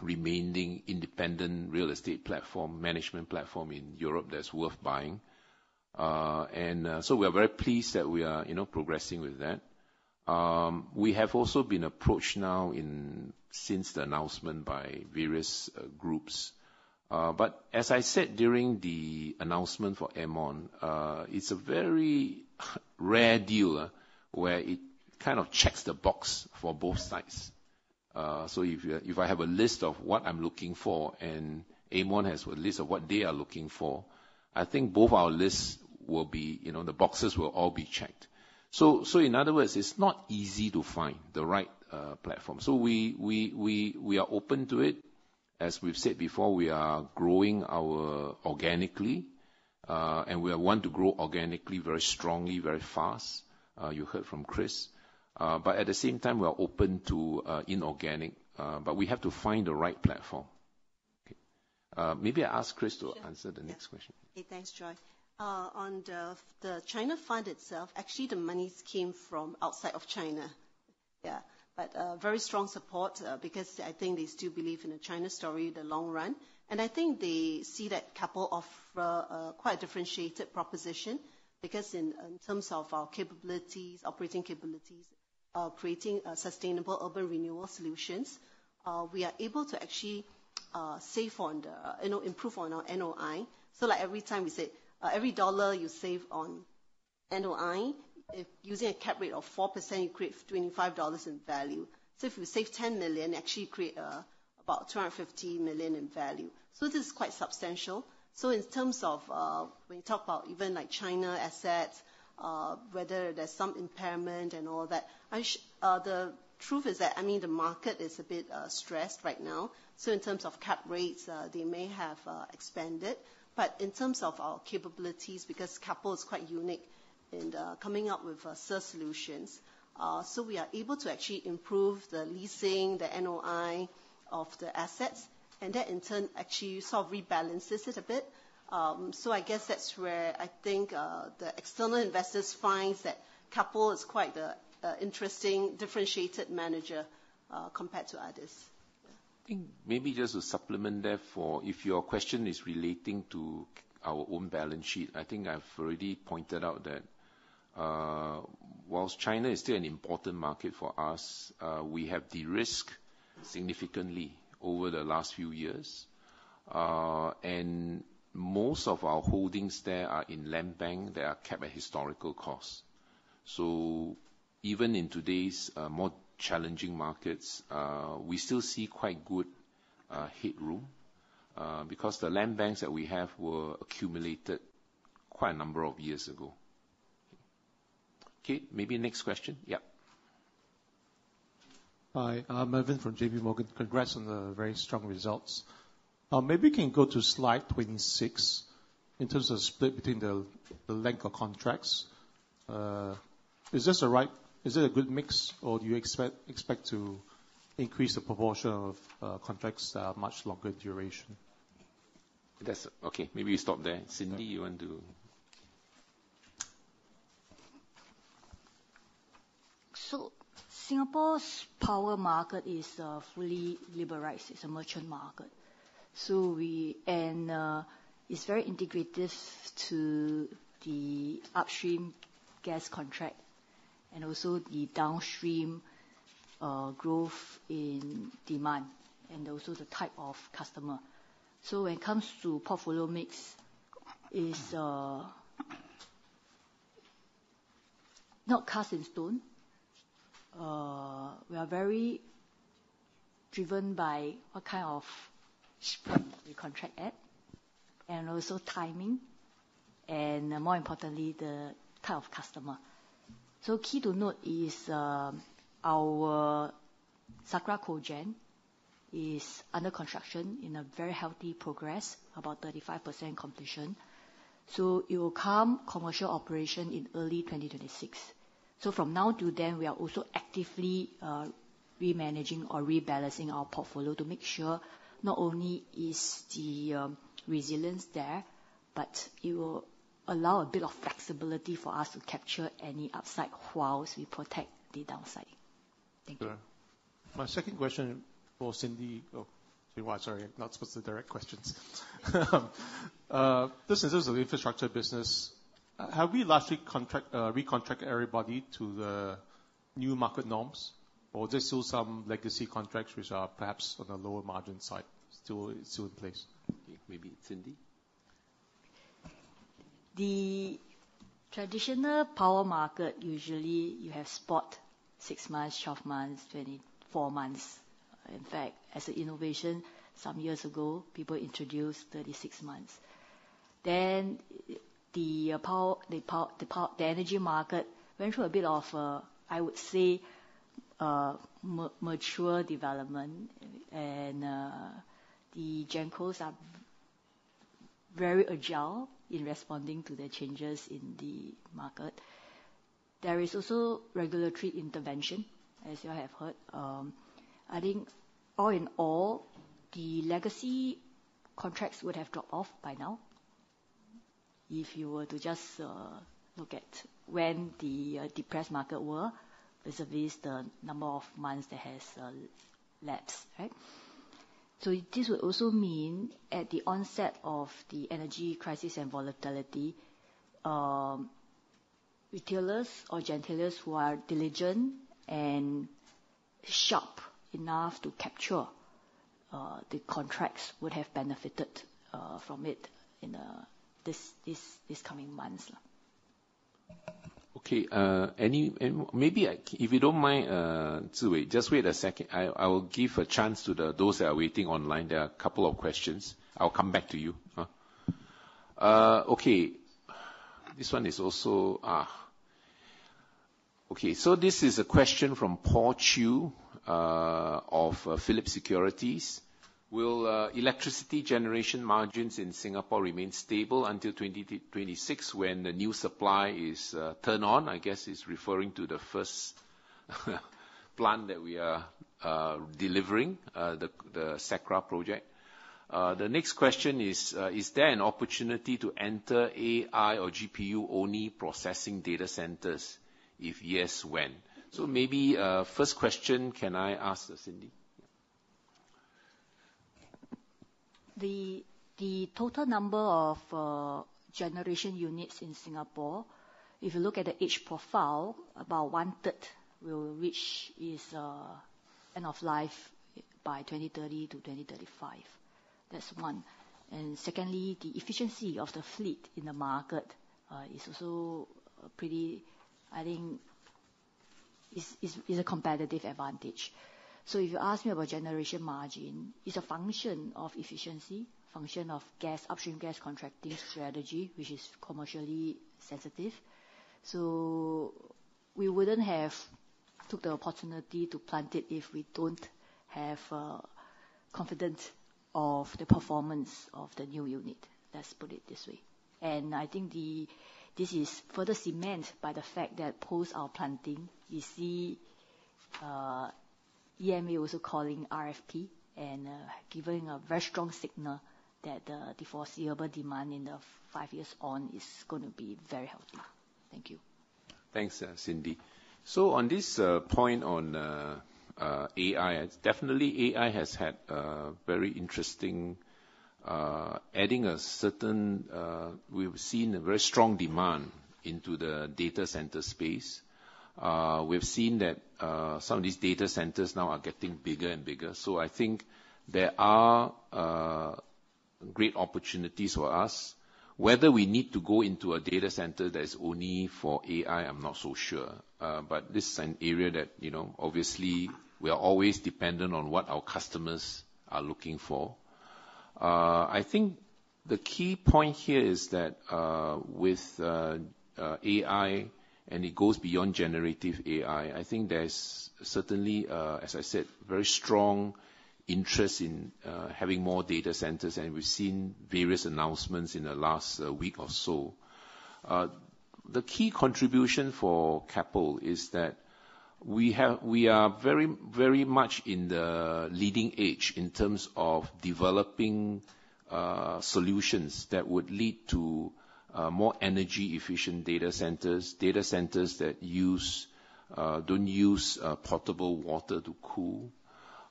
remaining independent real estate platform, management platform in Europe that's worth buying. And, so we are very pleased that we are, you know, progressing with that. We have also been approached now, since the announcement by various, groups. But as I said, during the announcement for Aermont, it's a very rare deal where it kind of checks the box for both sides. So if I have a list of what I'm looking for, and Aermont has a list of what they are looking for, I think both our lists will be, you know, the boxes will all be checked. So, in other words, it's not easy to find the right, platform. So we are open to it. As we've said before, we are growing our organically, and we are want to grow organically, very strongly, very fast. You heard from Chris. But at the same time, we are open to inorganic, but we have to find the right platform. Okay. Maybe I ask Chris to- Sure. Answer the next question. Okay, thanks, Joy. On the China fund itself, actually, the monies came from outside of China. Yeah, but very strong support, because I think they still believe in the China story, in the long run. And I think they see that Keppel offers a quite differentiated proposition, because in terms of our capabilities, operating capabilities, creating sustainable urban renewal solutions, we are able to actually save on the... You know, improve on our NOI. So like every time we say, every dollar you save on NOI, if using a cap rate of 4%, you create $25 in value. So if you save $10 million, actually create about $250 million in value. So this is quite substantial. So in terms of, when you talk about even, like, China assets, whether there's some impairment and all that, the truth is that, I mean, the market is a bit, stressed right now. So in terms of cap rates, they may have, expanded, but in terms of our capabilities, because Keppel is quite unique in, coming up with, solutions. So we are able to actually improve the leasing, the NOI of the assets, and that, in turn, actually sort of rebalances it a bit. So I guess that's where I think, the external investors finds that Keppel is quite a, interesting, differentiated manager, compared to others.... I think maybe just to supplement that, if your question is relating to our own balance sheet, I think I've already pointed out that, while China is still an important market for us, we have de-risked significantly over the last few years. Most of our holdings there are in land bank. They are kept at historical costs. So even in today's more challenging markets, we still see quite good headroom because the land banks that we have were accumulated quite a number of years ago. Okay, maybe next question. Yeah. Hi, I'm Mervin from JPMorgan. Congrats on the very strong results. Maybe you can go to slide 26, in terms of split between the, the length of contracts. Is this the right - is it a good mix, or do you expect to increase the proportion of, contracts that are much longer duration? That's okay, maybe you stop there. Cindy, you want to? So Singapore's power market is fully liberalized. It's a merchant market. And it's very integrated to the upstream gas contract and also the downstream growth in demand, and also the type of customer. So when it comes to portfolio mix, is not cast in stone. We are very driven by what kind of spread we contract at, and also timing, and more importantly, the type of customer. So key to note is our Sakra Cogen is under construction in a very healthy progress, about 35% completion. So it will come commercial operation in early 2026. So from now till then, we are also actively re-managing or rebalancing our portfolio to make sure not only is the resilience there, but it will allow a bit of flexibility for us to capture any upside whilst we protect the downside. Thank you. Sure. My second question for Cindy, oh, Zhiwei, sorry, I'm not supposed to direct questions. This is, this is an infrastructure business. Have we lastly recontract everybody to the new market norms, or there's still some legacy contracts which are perhaps on the lower margin side, still, still in place? Okay, maybe Cindy? The traditional power market, usually you have spot six months, 12 months, 24 months. In fact, as an innovation some years ago, people introduced 36 months. Then the power—the energy market went through a bit of a, I would say, mature development, and the gencos are very agile in responding to the changes in the market. There is also regulatory intervention, as you have heard. I think all in all, the legacy contracts would have dropped off by now. If you were to just look at when the depressed market were, vis-à-vis the number of months that has lapsed, right? So this would also mean, at the onset of the energy crisis and volatility, retailers or gentailers who are diligent and sharp enough to capture the contracts would have benefited from it in these coming months. Okay, maybe if you don't mind, Zhiwei, just wait a second. I will give a chance to those that are waiting online. There are a couple of questions. I'll come back to you. Okay, this one is also. Okay, so this is a question from Paul Chew of Phillip Securities. "Will electricity generation margins in Singapore remain stable until 2026, when the new supply is turned on?" I guess he's referring to the first plant that we are delivering, the Sakra project. The next question is, "Is there an opportunity to enter AI or GPU-only processing data centers? If yes, when?" So maybe, first question, can I ask Cindy? The total number of generation units in Singapore, if you look at the age profile, about one-third will reach its end of life by 2030 to 2035. That's one. And secondly, the efficiency of the fleet in the market is also pretty... I think is a competitive advantage. So if you ask me about generation margin, it's a function of efficiency, function of gas, upstream gas contracting strategy, which is commercially sensitive. So we wouldn't have took the opportunity to plant it if we don't have confidence of the performance of the new unit. Let's put it this way. I think this is further cement by the fact that post our planting, you see, EMA also calling RFP and giving a very strong signal that the foreseeable demand in the five years on is going to be very healthy. Thank you.... Thanks, Cindy. So on this point on AI, definitely AI has had a very interesting adding a certain, we've seen a very strong demand into the data center space. We've seen that some of these data centers now are getting bigger and bigger. So I think there are great opportunities for us. Whether we need to go into a data center that is only for AI, I'm not so sure. But this is an area that, you know, obviously, we are always dependent on what our customers are looking for. I think the key point here is that with AI, and it goes beyond generative AI, I think there's certainly, as I said, very strong interest in having more data centers, and we've seen various announcements in the last week or so. The key contribution for Keppel is that we are very, very much in the leading edge in terms of developing solutions that would lead to more energy-efficient data centers. Data centers that don't use potable water to cool.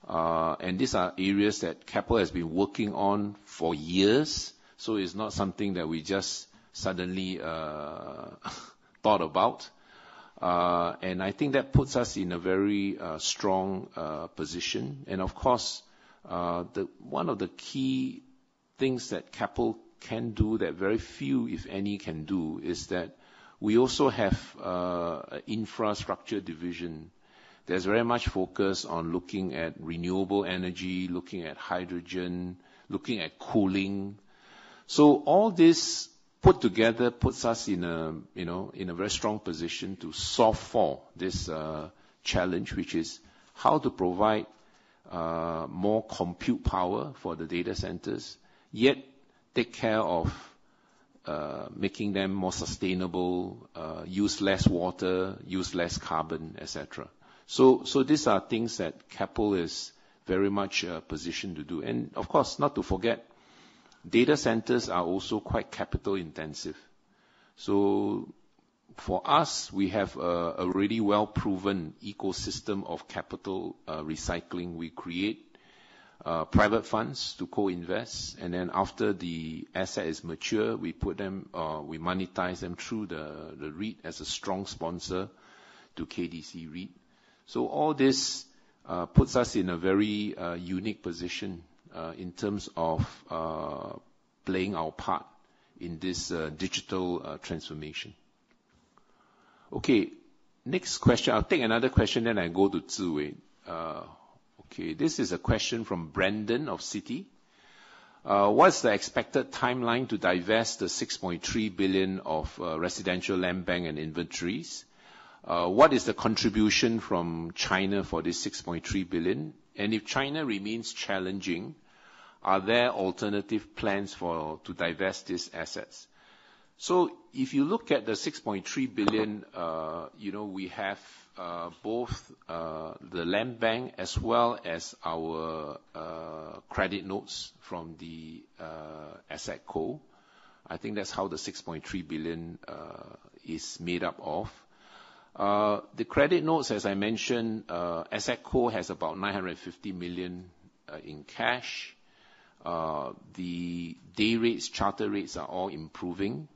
And these are areas that Keppel has been working on for years, so it's not something that we just suddenly thought about. And I think that puts us in a very strong position. And of course, one of the key things that Keppel can do that very few, if any, can do, is that we also have an infrastructure division that's very much focused on looking at renewable energy, looking at hydrogen, looking at cooling. So all this put together puts us in a, you know, in a very strong position to solve for this challenge, which is how to provide more compute power for the data centers, yet take care of making them more sustainable, use less water, use less carbon, et cetera. So these are things that Keppel is very much positioned to do. And of course, not to forget, data centers are also quite capital-intensive. So for us, we have a really well-proven ecosystem of capital recycling. We create private funds to co-invest, and then after the asset is mature, we put them, we monetize them through the REIT as a strong sponsor to Keppel DC REIT. So all this puts us in a very unique position in terms of playing our part in this digital transformation. Okay, next question. I'll take another question, then I go to Zhiwei. Okay, this is a question from Brandon of Citi. "What's the expected timeline to divest the 6.3 billion of residential land bank and inventories? What is the contribution from China for this 6.3 billion? And if China remains challenging, are there alternative plans for to divest these assets?" So if you look at the 6.3 billion, you know, we have both the land bank as well as our credit notes from the AssetCo. I think that's how the 6.3 billion is made up of. The credit notes, as I mentioned, AssetCo has about 950 million in cash. The day rates, charter rates are all improving.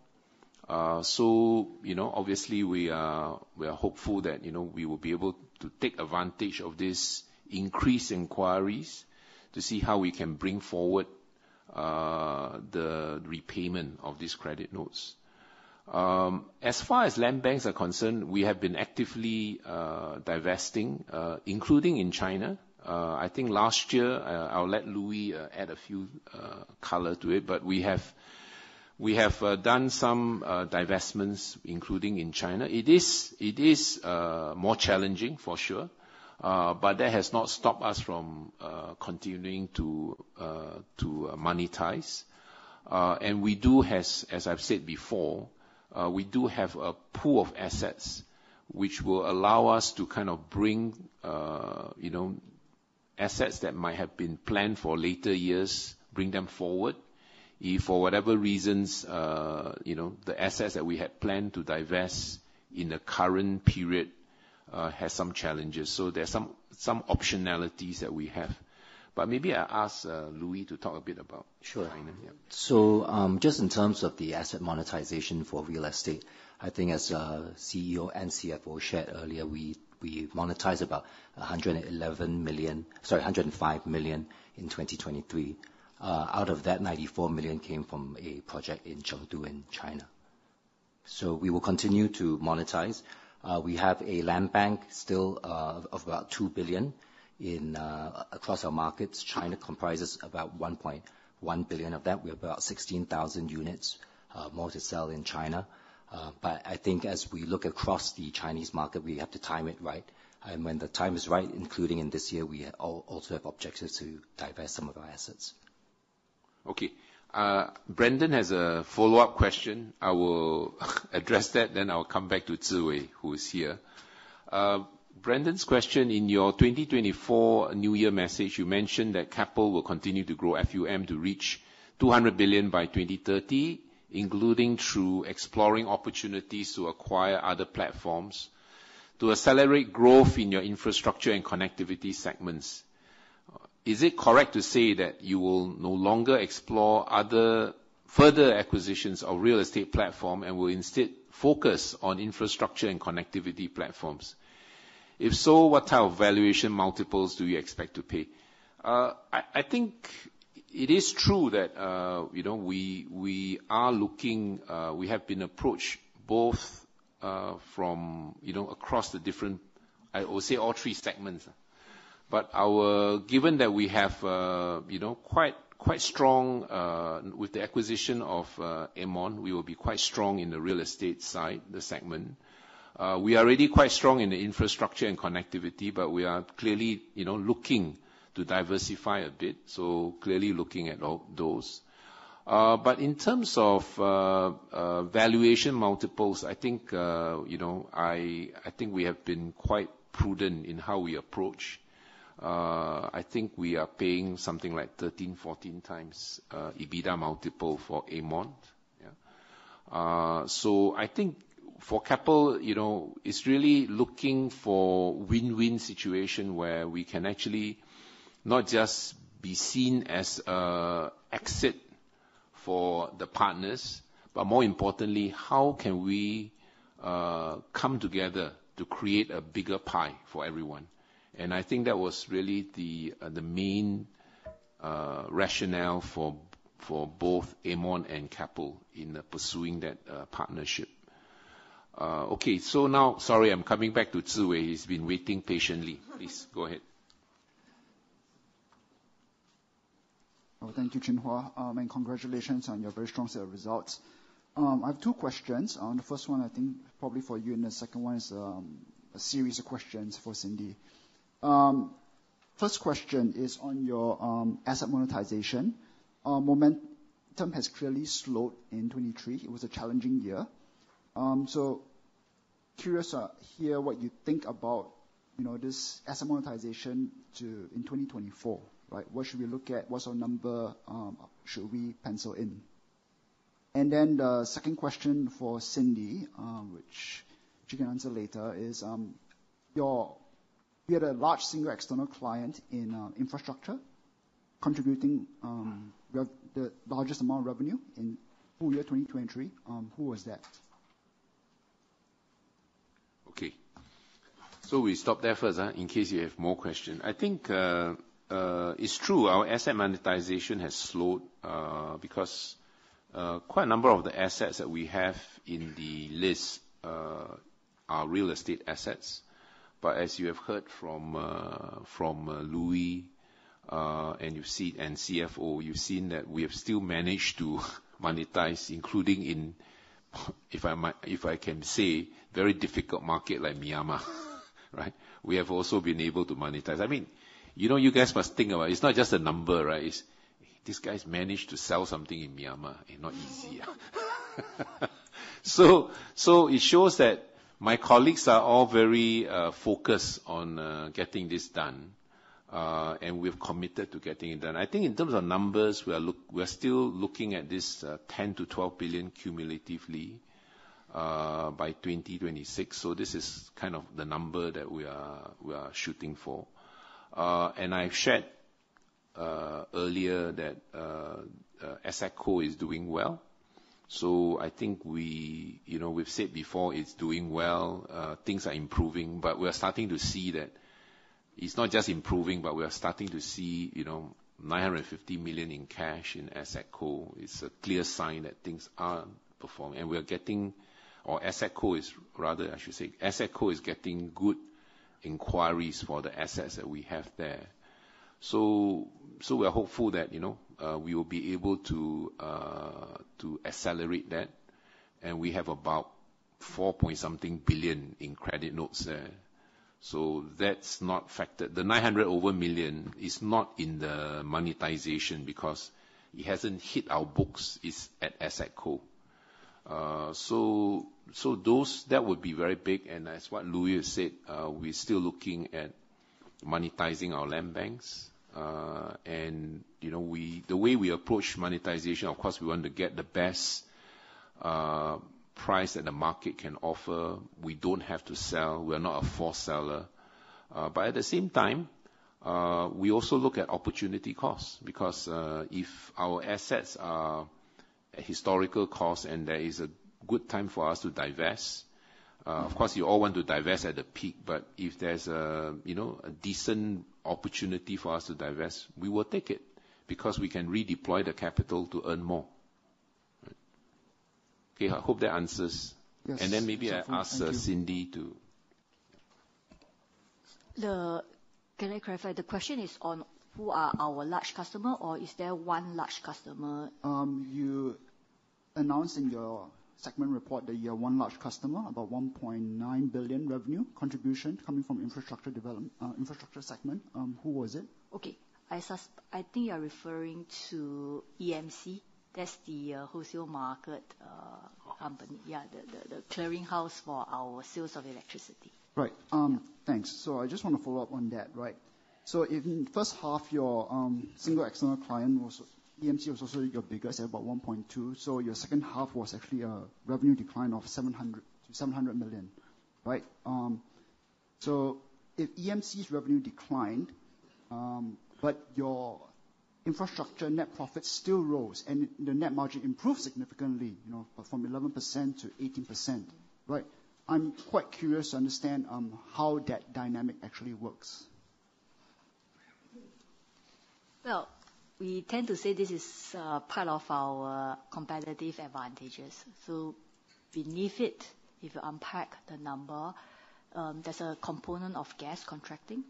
So, you know, obviously, we are hopeful that, you know, we will be able to take advantage of these increased inquiries to see how we can bring forward the repayment of these credit notes. As far as land banks are concerned, we have been actively divesting, including in China. I think last year, I'll let Louis add a few color to it, but we have done some divestments, including in China. It is more challenging, for sure, but that has not stopped us from continuing to monetize. We do have, as I've said before, we do have a pool of assets which will allow us to kind of bring, you know, assets that might have been planned for later years, bring them forward, if, for whatever reasons, you know, the assets that we had planned to divest in the current period, has some challenges. So there are some, some optionalities that we have. But maybe I ask, Louis, to talk a bit about- Sure. Yeah. So, just in terms of the asset monetization for real estate, I think as CEO and CFO shared earlier, we monetized about 105 million in 2023. Out of that, 94 million came from a project in Chengdu, in China. So we will continue to monetize. We have a land bank still of about 2 billion across our markets. China comprises about 1.1 billion of that. We have about 16,000 units more to sell in China. But I think as we look across the Chinese market, we have to time it right. And when the time is right, including in this year, we also have objectives to divest some of our assets. Okay. Brandon has a follow-up question. I will address that, then I'll come back to Zhiwei, who is here. Brandon's question, in your 2024 New Year message, you mentioned that Keppel will continue to grow FUM to reach 200 billion by 2030, including through exploring opportunities to acquire other platforms to accelerate growth in your infrastructure and connectivity segments. Is it correct to say that you will no longer explore other further acquisitions of real estate platform and will instead focus on infrastructure and connectivity platforms? If so, what type of valuation multiples do you expect to pay? I think it is true that, you know, we are looking. We have been approached both from, you know, across the different. I would say all three segments. Given that we have, you know, quite, quite strong, with the acquisition of Aermont, we will be quite strong in the real estate side, the segment. We are already quite strong in the infrastructure and connectivity, but we are clearly, you know, looking to diversify a bit, so clearly looking at all those. But in terms of valuation multiples, I think, you know, I think we have been quite prudent in how we approach. I think we are paying something like 13-14x EBITDA multiple for Aermont. Yeah. So I think for Keppel, you know, it's really looking for win-win situation where we can actually not just be seen as an exit for the partners, but more importantly, how can we come together to create a bigger pie for everyone? I think that was really the main rationale for both Aermont and Keppel in pursuing that partnership. Okay, so now, sorry, I'm coming back to Zhiwei. He's been waiting patiently. Please, go ahead. Well, thank you, Chin Hua, and congratulations on your very strong set of results. I have two questions. The first one, I think, probably for you, and the second one is a series of questions for Cindy. First question is on your asset monetization. Momentum has clearly slowed in 2023. It was a challenging year. So curious to hear what you think about, you know, this asset monetization to, in 2024, right? What should we look at? What's our number should we pencil in? And then the second question for Cindy, which she can answer later, is, you had a large single external client in infrastructure, contributing the largest amount of revenue in full year 2023. Who was that? Okay, so we stop there first in case you have more question. I think it's true, our asset monetization has slowed because quite a number of the assets that we have in the list are real estate assets. But as you have heard from Louis, and you've seen and CFO, you've seen that we have still managed to monetize, including in, if I might, if I can say, very difficult market like Myanmar, right? We have also been able to monetize. I mean, you know, you guys must think about it, it's not just a number, right? It's these guys managed to sell something in Myanmar, and not easy, yeah. So it shows that my colleagues are all very focused on getting this done, and we've committed to getting it done. I think in terms of numbers, we are still looking at this 10-12 billion cumulatively by 2026. So this is kind of the number that we are shooting for. And I've shared earlier that AssetCo is doing well. So I think we, you know, we've said before, it's doing well, things are improving, but we are starting to see that it's not just improving, but we are starting to see, you know, 950 million in cash in AssetCo. It's a clear sign that things are performing. And we are getting, or AssetCo is, rather I should say, AssetCo is getting good inquiries for the assets that we have there. So we are hopeful that, you know, we will be able to to accelerate that. We have about 4 point something billion in credit notes there. That's not factored. The 900+ million is not in the monetization because it hasn't hit our books, it's at AssetCo. So those, that would be very big, and as what Louis has said, we're still looking at monetizing our land banks. You know, we, the way we approach monetization, of course, we want to get the best price that the market can offer. We don't have to sell. We are not a forced seller. But at the same time, we also look at opportunity costs, because if our assets are at historical cost and there is a good time for us to divest, of course, you all want to divest at the peak, but if there's a, you know, a decent opportunity for us to divest, we will take it, because we can redeploy the capital to earn more. Okay, I hope that answers. Yes. Then maybe I ask. Thank you. Cindy to... Can I clarify? The question is on who are our large customer or is there one large customer? You announced in your segment report that you have one large customer, about 1.9 billion revenue contribution coming from infrastructure development, infrastructure segment. Who was it? Okay. I think you're referring to EMC. That's the wholesale market company. Yeah, the clearinghouse for our sales of electricity. Right. Thanks. So I just want to follow up on that, right? So in first half your single external client was EMC, was also your biggest, about 1.2 billion. So your second half was actually a revenue decline of 700 million, right? So if EMC's revenue declined, but your infrastructure net profit still rose and the net margin improved significantly, you know, from 11%-18%, right? I'm quite curious to understand how that dynamic actually works. Well, we tend to say this is part of our competitive advantages. So beneath it, if you unpack the number, there's a component of gas contracting,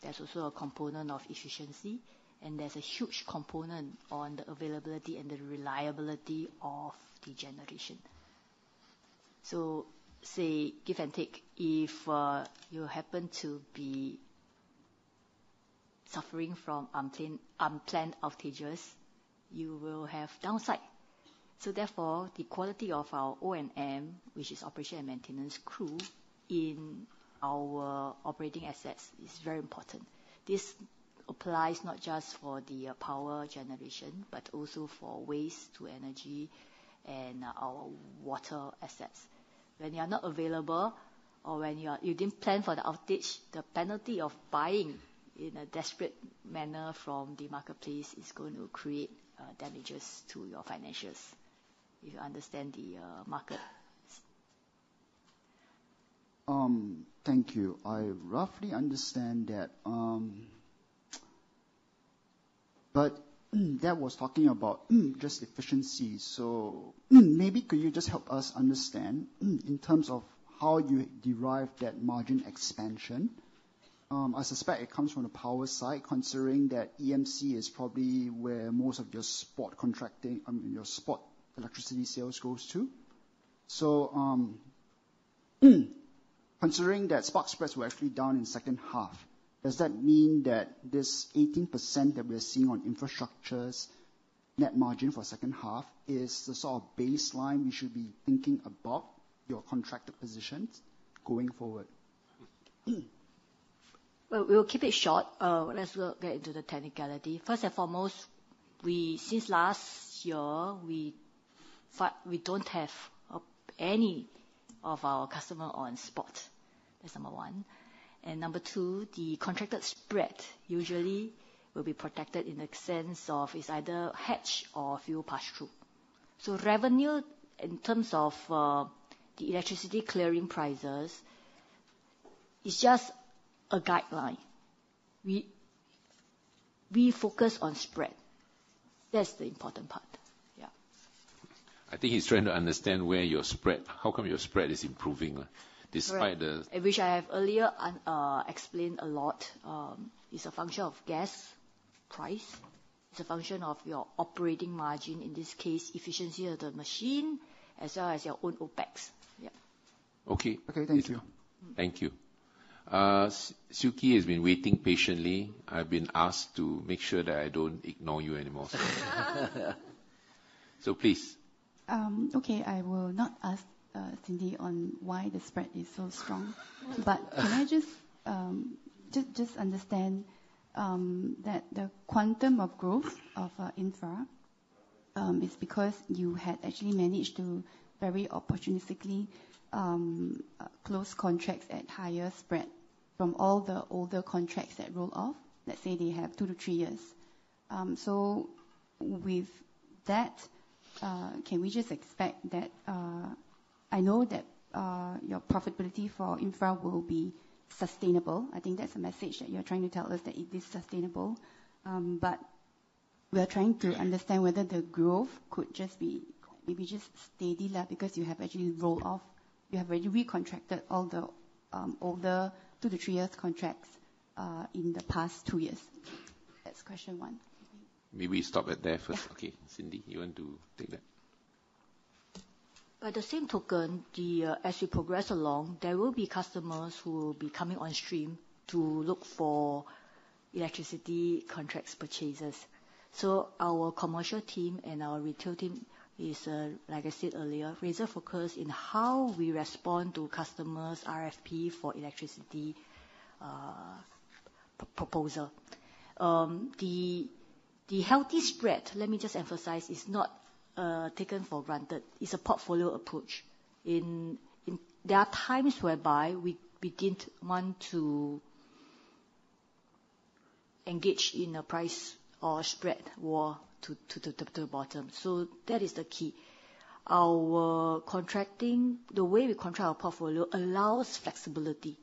there's also a component of efficiency, and there's a huge component on the availability and the reliability of the generation. So say, give and take, if you happen to be suffering from unplanned outages, you will have downside. So therefore, the quality of our O&M, which is operation and maintenance crew, in our operating assets, is very important. This applies not just for the power generation, but also for waste-to-energy and our water assets. When you are not available or when you are-- you didn't plan for the outage, the penalty of buying in a desperate manner from the marketplace is going to create damages to your financials, if you understand the market. Thank you. I roughly understand that, but that was talking about just efficiency. So, maybe could you just help us understand, in terms of how you derive that margin expansion? I suspect it comes from the power side, considering that EMC is probably where most of your spot contracting, your spot electricity sales goes to. So, considering that spot spreads were actually down in second half, does that mean that this 18% that we are seeing on infrastructure's net margin for second half, is the sort of baseline we should be thinking about your contracted positions going forward? Well, we'll keep it short. Let's not get into the technicality. First and foremost, since last year, we don't have any of our customer on spot. That's number one. And number two, the contracted spread usually will be protected in the sense of it's either hedge or fuel pass-through. So revenue, in terms of the electricity clearing prices, is just a guideline. We focus on spread. That's the important part. Yeah. I think he's trying to understand where your spread—how come your spread is improving, despite the- Right, which I have earlier explained a lot. It's a function of gas price. It's a function of your operating margin, in this case, efficiency of the machine, as well as your own OpEx. Yeah. Okay. Okay, thank you. Thank you. Siew Khee has been waiting patiently. I've been asked to make sure that I don't ignore you anymore. So please. Okay, I will not ask, Cindy, on why the spread is so strong. But can I just understand that the quantum of growth of infra is because you had actually managed to very opportunistically close contracts at higher spread from all the older contracts that roll off, let's say they have two to three years. So with that, can we just expect that? I know that your profitability for infra will be sustainable. I think that's the message that you're trying to tell us, that it is sustainable. But we are trying to understand whether the growth could just be maybe just steady because you have actually rolled off, you have already recontracted all the older two to three years contracts in the past two years. That's question one. Maybe we stop it there first. Yeah. Okay, Cindy, you want to take that? By the same token, as you progress along, there will be customers who will be coming on stream to look for electricity contracts purchases. So our commercial team and our retail team is, like I said earlier, razor-focused in how we respond to customers' RFP for electricity proposal. The healthy spread, let me just emphasize, is not taken for granted. It's a portfolio approach. There are times whereby we didn't want to engage in a price or spread war to the bottom. So that is the key. Our contracting, the way we contract our portfolio allows flexibility,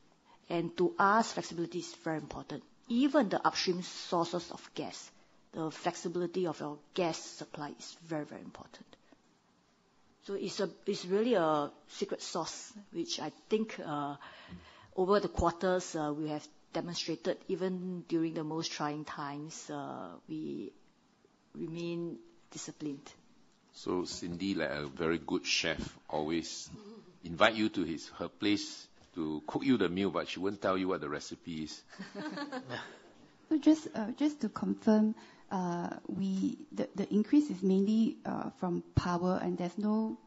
and to us, flexibility is very important. Even the upstream sources of gas, the flexibility of our gas supply is very, very important. So it's a, it's really a secret sauce, which I think, over the quarters, we have demonstrated, even during the most trying times, we remain disciplined. So, Cindy, like a very good chef always invite you to his, her place to cook you the meal, but she won't tell you what the recipe is. So just to confirm, the increase is mainly from power, and there's no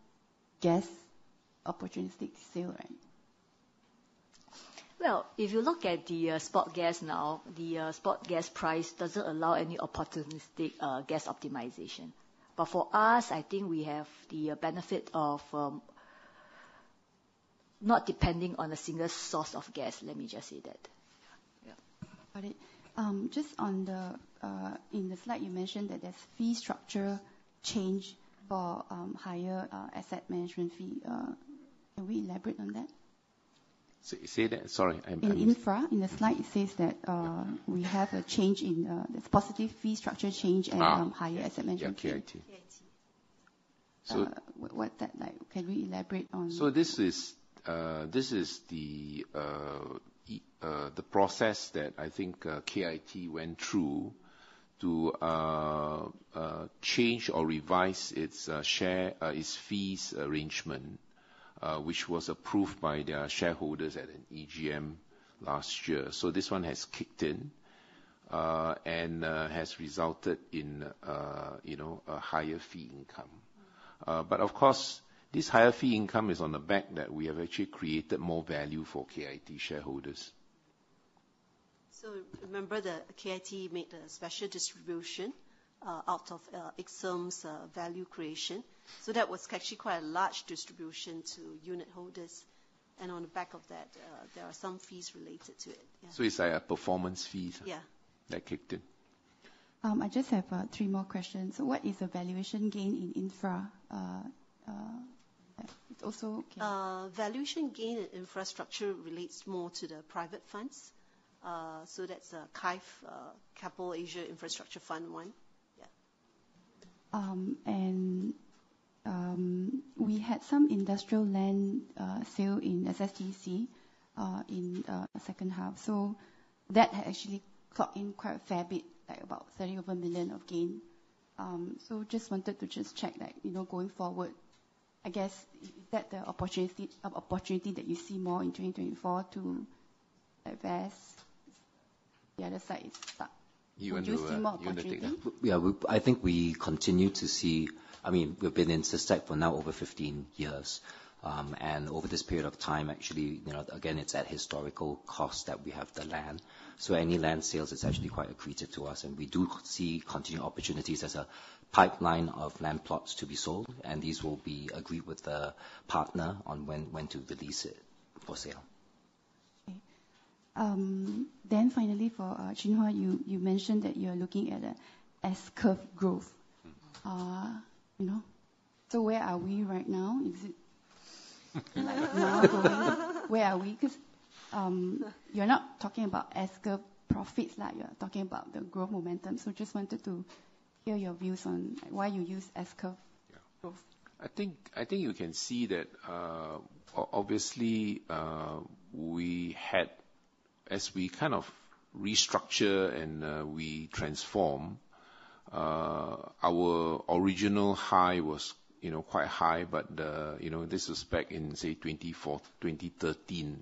gas opportunistic sale, right? Well, if you look at the spot gas now, the spot gas price doesn't allow any opportunistic gas optimization. But for us, I think we have the benefit of not depending on a single source of gas. Let me just say that. Yeah. Got it. Just on the in the slide, you mentioned that there's fee structure change for higher asset management fee. Can we elaborate on that? Sorry, I'm- In infra, in the slide, it says that, Yeah... we have a change in, there's positive fee structure change- Ah! and higher asset management fee. Yeah, KIT. KIT. So- What that like? Can we elaborate on- So this is the process that I think KIT went through to change or revise its fees arrangement, which was approved by their shareholders at an EGM last year. So this one has kicked in and has resulted in, you know, a higher fee income. But of course, this higher fee income is on the back that we have actually created more value for KIT shareholders. So remember that KIT made a special distribution out of Ixom's value creation. So that was actually quite a large distribution to unit holders. And on the back of that, there are some fees related to it. Yeah. So it's like a performance fees- Yeah... that kicked in. I just have three more questions. So what is the valuation gain in infra? It's also KIT. Valuation gain in infrastructure relates more to the private funds. So that's KAIF, Keppel Asia Infrastructure Fund one. Yeah. We had some industrial land sale in SSTEC in the second half. So that had actually clocked in quite a fair bit, at about 30 million of gain. So just wanted to just check that, you know, going forward, I guess, is that the opportunity, opportunity that you see more in 2024 to invest the other side is stuck. You and, Do you see more opportunity? You want to take that. Yeah, I think we continue to see... I mean, we've been in SSTEC for now over 15 years. And over this period of time, actually, you know, again, it's at historical cost that we have the land. So any land sales, it's actually quite accretive to us, and we do see continued opportunities as a pipeline of land plots to be sold, and these will be agreed with the partner on when, when to release it for sale. Okay. Then finally, for Chin Hua, you mentioned that you're looking at a S-curve growth. you know, so where are we right now? Like, now, where are we? Because, you're not talking about S-curve profits, like, you're talking about the growth momentum. So just wanted to hear your views on why you use S-curve. Yeah. Growth. I think you can see that, obviously, we had—as we kind of restructure and we transform, our original high was, you know, quite high, but, you know, this was back in, say, 2013,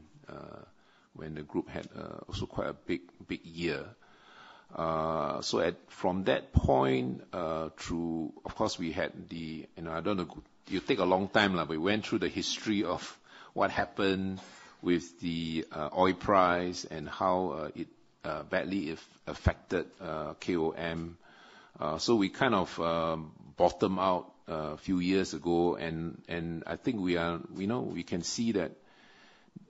when the group had also quite a big, big year. So from that point, through, of course, we had the... I don't know, it'll take a long time, like, we went through the history of what happened with the oil price and how it badly affected KOM. So we kind of bottomed out a few years ago, and I think we are, you know, we can see that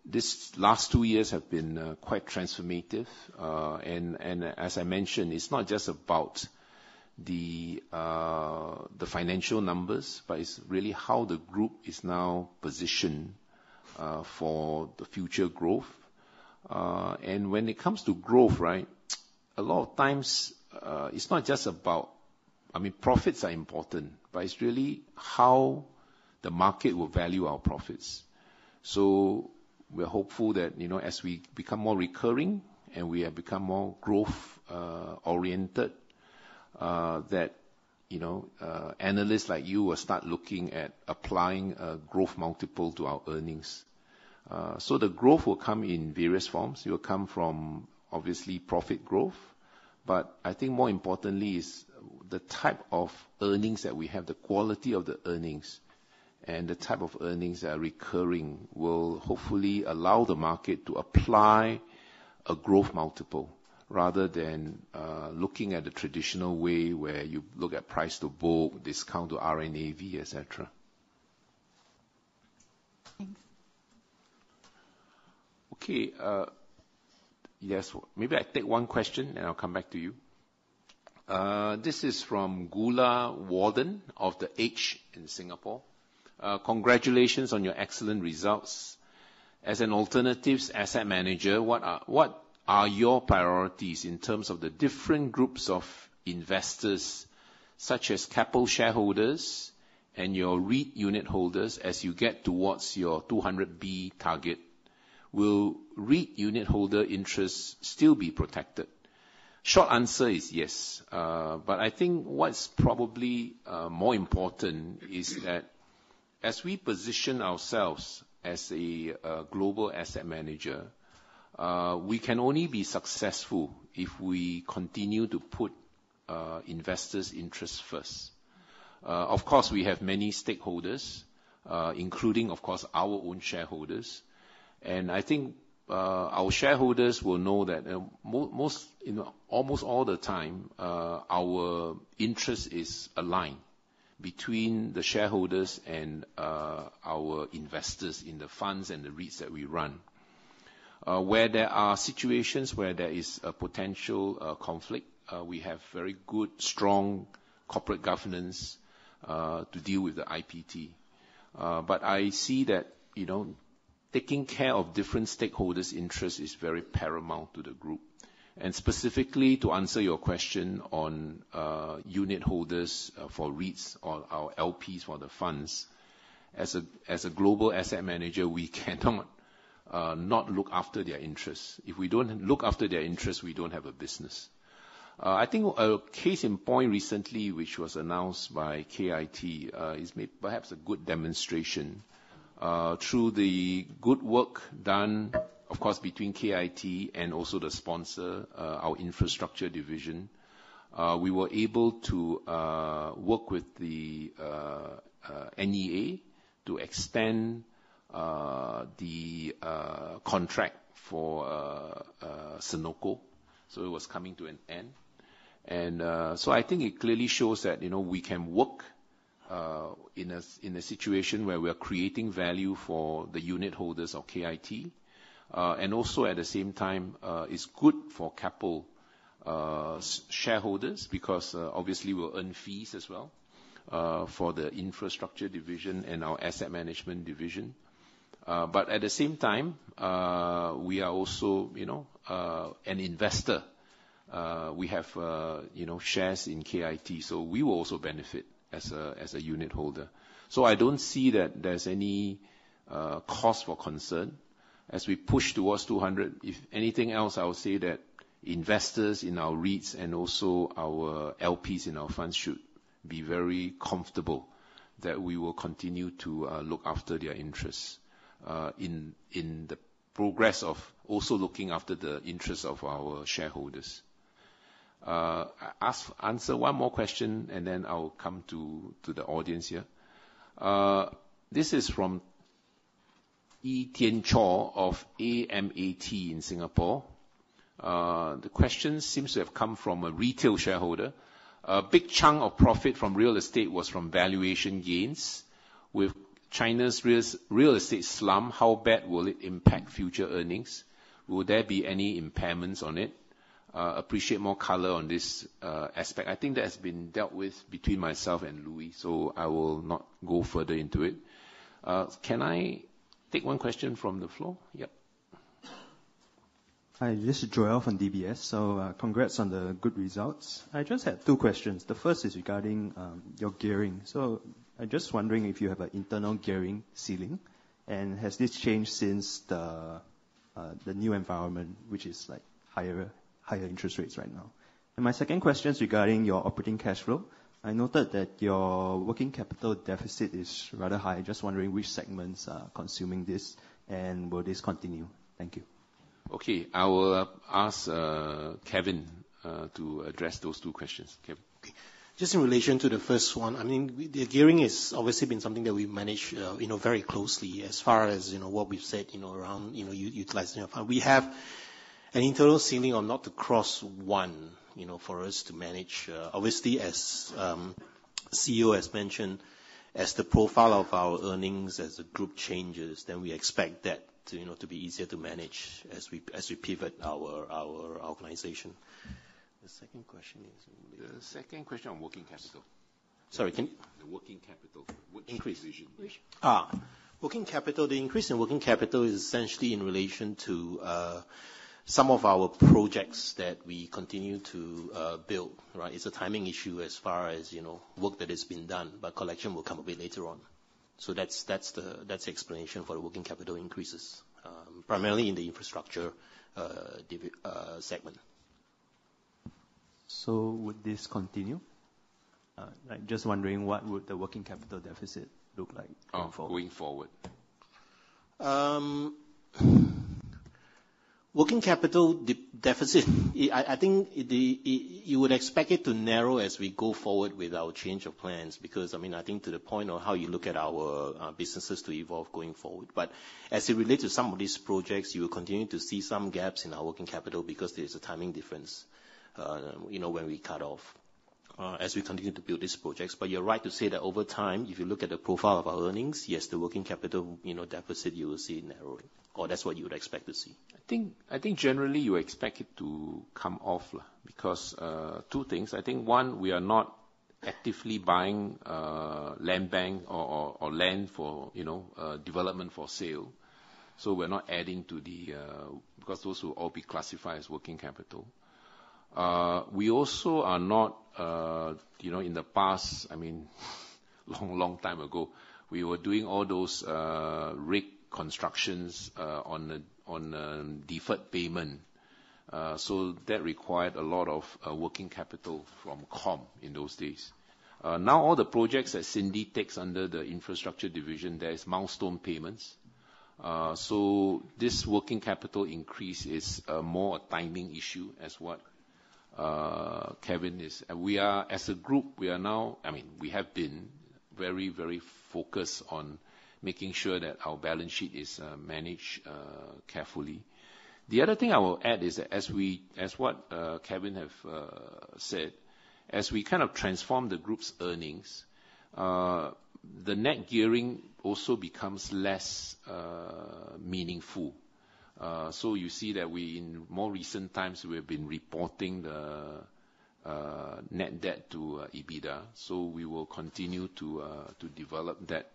this last two years have been quite transformative. As I mentioned, it's not just about the financial numbers, but it's really how the group is now positioned for the future growth. And when it comes to growth, right? A lot of times, it's not just about—I mean, profits are important, but it's really how the market will value our profits. So we're hopeful that, you know, as we become more recurring and we have become more growth oriented, that, you know, analysts like you will start looking at applying a growth multiple to our earnings. So the growth will come in various forms. It will come from, obviously, profit growth. I think more importantly is the type of earnings that we have, the quality of the earnings, and the type of earnings that are recurring, will hopefully allow the market to apply a growth multiple rather than looking at the traditional way, where you look at price to book, discount to RNAV, et cetera. Thanks. Okay, yes. Maybe I take one question, and I'll come back to you. This is from Goola Warden of The Edge Singapore. "Congratulations on your excellent results. As an alternative asset manager, what are, what are your priorities in terms of the different groups of investors, such as Keppel shareholders and your REIT unit holders, as you get towards your 200 billion target? Will REIT unit holder interests still be protected?" Short answer is yes. I think what's probably more important is that, as we position ourselves as a global asset manager, we can only be successful if we continue to put investors' interests first. Of course, we have many stakeholders, including, of course, our own shareholders. I think, our shareholders will know that, most, you know, almost all the time, our interest is aligned between the shareholders and, our investors in the funds and the REITs that we run. Where there are situations where there is a potential conflict, we have very good, strong corporate governance to deal with the IPT. But I see that, you know, taking care of different stakeholders' interests is very paramount to the group. Specifically, to answer your question on unit holders for REITs or our LPs for the funds, as a global asset manager, we cannot not look after their interests. If we don't look after their interests, we don't have a business. I think a case in point recently, which was announced by KIT, is perhaps a good demonstration. Through the good work done, of course, between KIT and also the sponsor, our infrastructure division, we were able to work with the NEA to extend the contract for Senoko. So it was coming to an end. So I think it clearly shows that, you know, we can work in a situation where we are creating value for the unit holders of KIT. And also, at the same time, it's good for Keppel shareholders, because obviously we'll earn fees as well for the infrastructure division and our asset management division. But at the same time, we are also, you know, an investor. We have, you know, shares in KIT, so we will also benefit as a unitholder. So I don't see that there's any cause for concern as we push towards $200 billion. If anything else, I would say that investors in our REITs and also our LPs in our funds should be very comfortable that we will continue to look after their interests in the progress of also looking after the interests of our shareholders. I answer one more question, and then I'll come to the audience here. This is from Ee Tian Chor of AMAT in Singapore. The question seems to have come from a retail shareholder. "A big chunk of profit from real estate was from valuation gains. With China's real estate slump, how bad will it impact future earnings? Will there be any impairments on it? Appreciate more color on this aspect." I think that's been dealt with between myself and Louis, so I will not go further into it. Can I take one question from the floor? Yep. Hi, this is Joel from DBS. So, congrats on the good results. I just had two questions. The first is regarding your gearing. So I'm just wondering if you have an internal gearing ceiling, and has this changed since the new environment, which is, like, higher, higher interest rates right now? And my second question is regarding your operating cash flow. I noted that your working capital deficit is rather high. Just wondering which segments are consuming this, and will this continue? Thank you. Okay. I will ask, Kevin, to address those two questions. Kevin? Just in relation to the first one, I mean, the gearing has obviously been something that we've managed, you know, very closely as far as what we've said around utilizing our fund. We have an internal ceiling on not to cross one, you know, for us to manage. Obviously, as CEO has mentioned, as the profile of our earnings as a group changes, then we expect that to, you know, to be easier to manage as we pivot our organization. The second question is? The second question on working capital. Sorry, can- The working capital, which increase. Working capital. The increase in working capital is essentially in relation to some of our projects that we continue to build, right? It's a timing issue as far as, you know, work that has been done, but collection will come a bit later on. So that's the explanation for the working capital increases, primarily in the infrastructure segment. Would this continue? I'm just wondering, what would the working capital deficit look like going forward? Going forward. Working capital deficit, I think you would expect it to narrow as we go forward with our change of plans, because, I mean, I think to the point of how you look at our businesses to evolve going forward. But as it relate to some of these projects, you will continue to see some gaps in our working capital because there is a timing difference, you know, when we cut off, as we continue to build these projects. But you're right to say that over time, if you look at the profile of our earnings, yes, the working capital, you know, deficit, you will see narrowing, or that's what you would expect to see. I think, I think generally you expect it to come off, because two things. I think, one, we are not actively buying land bank or, or land for, you know, development for sale. So we're not adding to the because those will all be classified as working capital. We also are not, you know, in the past, I mean long, long time ago, we were doing all those rig constructions on a, on a deferred payment. So that required a lot of working capital from KOM in those days. Now all the projects that Cindy takes under the infrastructure division, there is milestone payments. So this working capital increase is more a timing issue. We are, as a group, we are now—I mean, we have been very, very focused on making sure that our balance sheet is managed carefully. The other thing I will add is that as we kind of transform the group's earnings, the net gearing also becomes less meaningful. So you see that we, in more recent times, we have been reporting the net debt to EBITDA, so we will continue to develop that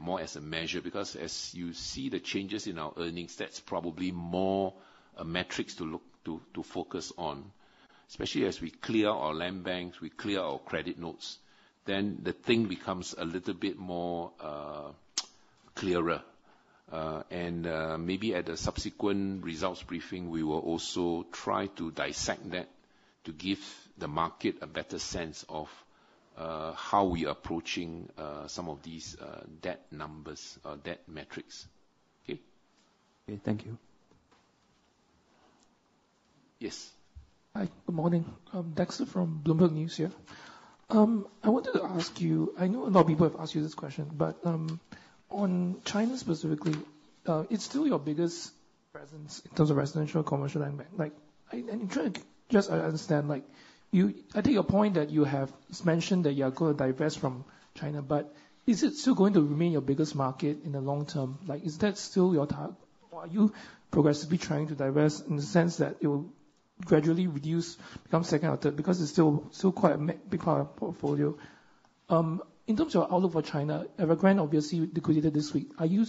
more as a measure. Because as you see the changes in our earnings, that's probably more a metrics to look to, to focus on. Especially as we clear our land banks, we clear our credit notes, then the thing becomes a little bit more clearer. And, maybe at a subsequent results briefing, we will also try to dissect that to give the market a better sense of how we are approaching some of these debt numbers or debt metrics. Okay? Okay. Thank you. Yes. Hi, good morning. I'm Dexter from Bloomberg News here. I wanted to ask you. I know a lot of people have asked you this question, but on China specifically, it's still your biggest presence in terms of residential, commercial, and bank. Like, and trying to just understand, like, you—I take your point that you have mentioned that you are going to divest from China, but is it still going to remain your biggest market in the long term? Like, is that still your target, or are you progressively trying to divest in the sense that it will gradually reduce, become second or third, because it's still quite a big part of portfolio? In terms of your outlook for China, Evergrande obviously liquidated this week. Do you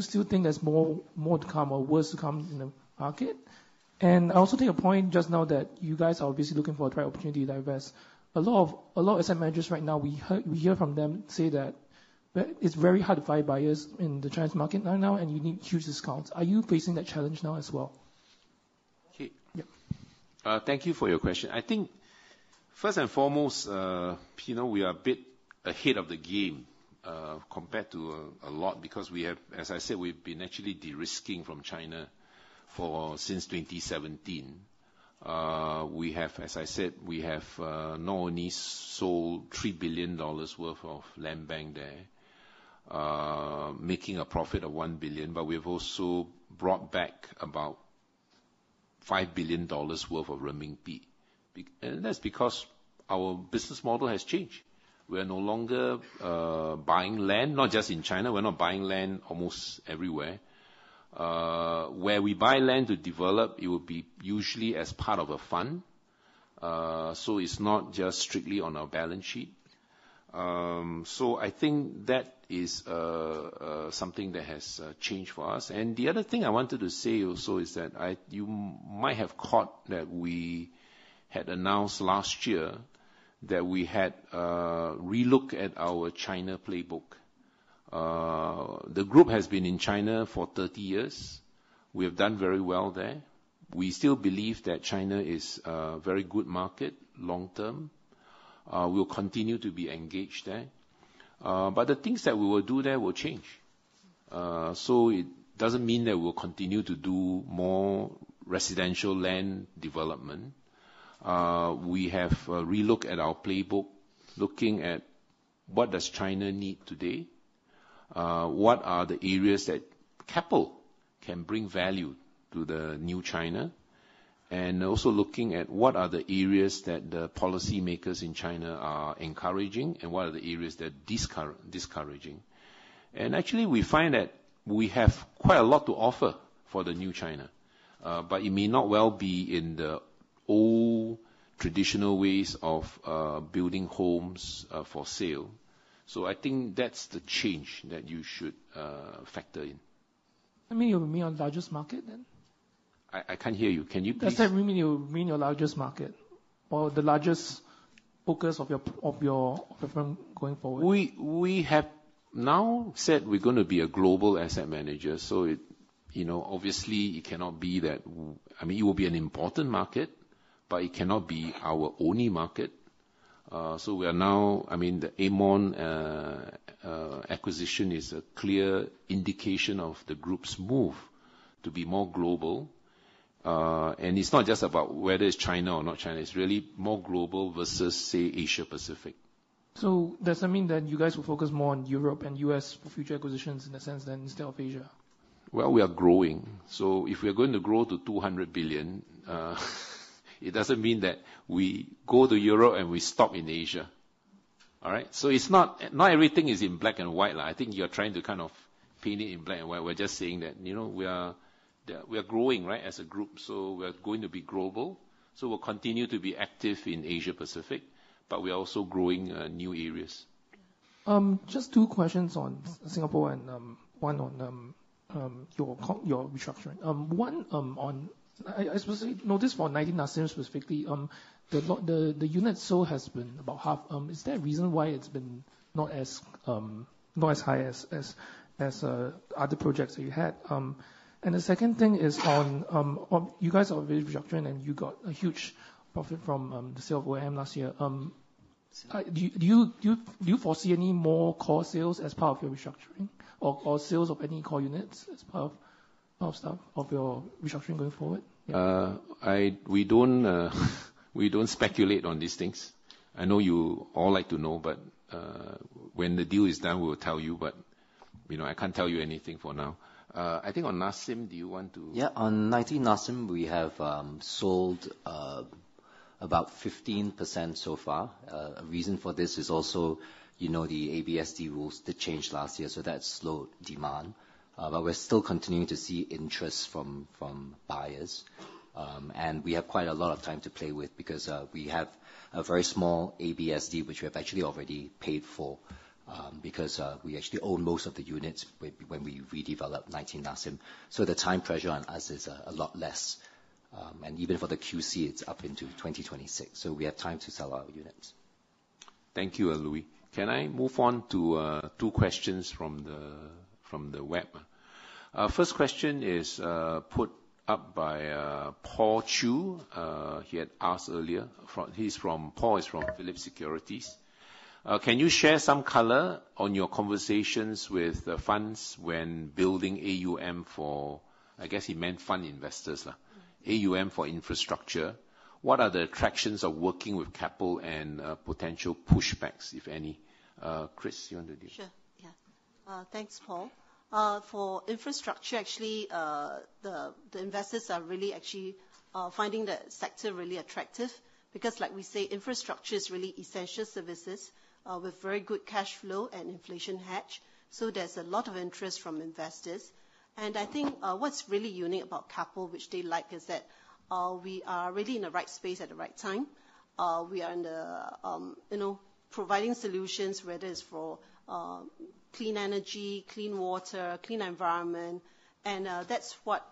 still think there's more to come or worse to come in the market? I also take your point just now that you guys are obviously looking for the right opportunity to divest. A lot of, a lot of asset managers right now, we hear, we hear from them say that, that it's very hard to find buyers in the Chinese market right now, and you need huge discounts. Are you facing that challenge now as well? Okay. Yeah. Thank you for your question. I think first and foremost, you know, we are a bit ahead of the game, compared to a lot because we have... As I said, we've been actually de-risking from China for since 2017. As I said, we have not only sold $3 billion worth of land bank there, making a profit of $1 billion, but we've also brought back about $5 billion worth of renminbi. And that's because our business model has changed. We are no longer buying land, not just in China, we're not buying land almost everywhere. Where we buy land to develop, it will be usually as part of a fund, so it's not just strictly on our balance sheet. So I think that is something that has changed for us. The other thing I wanted to say also is that I, you might have caught that we had announced last year that we had relooked at our China playbook. The group has been in China for 30 years. We have done very well there. We still believe that China is a very good market long term. We'll continue to be engaged there, but the things that we will do there will change. So it doesn't mean that we'll continue to do more residential land development. We have relooked at our playbook, looking at what does China need today? What are the areas that Keppel can bring value to the new China? And also looking at what are the areas that the policymakers in China are encouraging, and what are the areas they're discouraging? Actually, we find that we have quite a lot to offer for the new China, but it may not well be in the old traditional ways of building homes for sale. I think that's the change that you should factor in. That mean it will be your largest market then? I can't hear you. Can you please- Does that remain your largest market or the largest focus of your firm going forward? We have now said we're gonna be a global asset manager, so it, you know, obviously it cannot be that, I mean, it will be an important market, but it cannot be our only market. So we are now, I mean, the Aermont acquisition is a clear indication of the group's move to be more global. And it's not just about whether it's China or not China, it's really more global versus, say, Asia Pacific. Does that mean that you guys will focus more on Europe and U.S. for future acquisitions in a sense, than instead of Asia? Well, we are growing, so if we are going to grow to 200 billion, it doesn't mean that we go to Europe and we stop in Asia. All right? So it's not, not everything is in black and white. I think you're trying to kind of paint it in black and white. We're just saying that, you know, we are, the, we are growing, right, as a group, so we're going to be global. So we'll continue to be active in Asia Pacific, but we are also growing new areas. Just two questions on Singapore and one on your restructuring. One on, I suppose, 19 Nassim specifically, the unit sold has been about half. Is there a reason why it's been not as high as other projects that you had? And the second thing is on your restructuring, and you got a huge profit from the sale of OM last year. Do you foresee any more core sales as part of your restructuring or sales of any core units as part of your restructuring going forward? Yeah. We don't speculate on these things. I know you all like to know, but when the deal is done, we will tell you, but you know, I can't tell you anything for now. I think on Nassim, do you want to- Yeah, on 19 Nassim, we have sold about 15% so far. A reason for this is also, you know, the ABSD rules, they changed last year, so that slowed demand. But we're still continuing to see interest from buyers. And we have quite a lot of time to play with because we have a very small ABSD, which we have actually already paid for, because we actually own most of the units when we redevelop 19 Nassim. So the time pressure on us is a lot less. And even for the QC, it's up into 2026, so we have time to sell our units. Thank you, Louis. Can I move on to two questions from the web? First question is put up by Paul Chew. He had asked earlier. He's from Phillip Securities. "Can you share some color on your conversations with the funds when building AUM for..." I guess he meant fund investors. "AUM for infrastructure. What are the attractions of working with Keppel and potential pushbacks, if any?" Chris, you want to do it? Sure, yeah. Thanks, Paul. For infrastructure, actually, the investors are really actually finding the sector really attractive because, like we say, infrastructure is really essential services, with very good cash flow and inflation hedge. So there's a lot of interest from investors. And I think, what's really unique about Keppel, which they like, is that, we are really in the right space at the right time. We are in the, you know, providing solutions, whether it's for, clean energy, clean water, clean environment, and, that's what,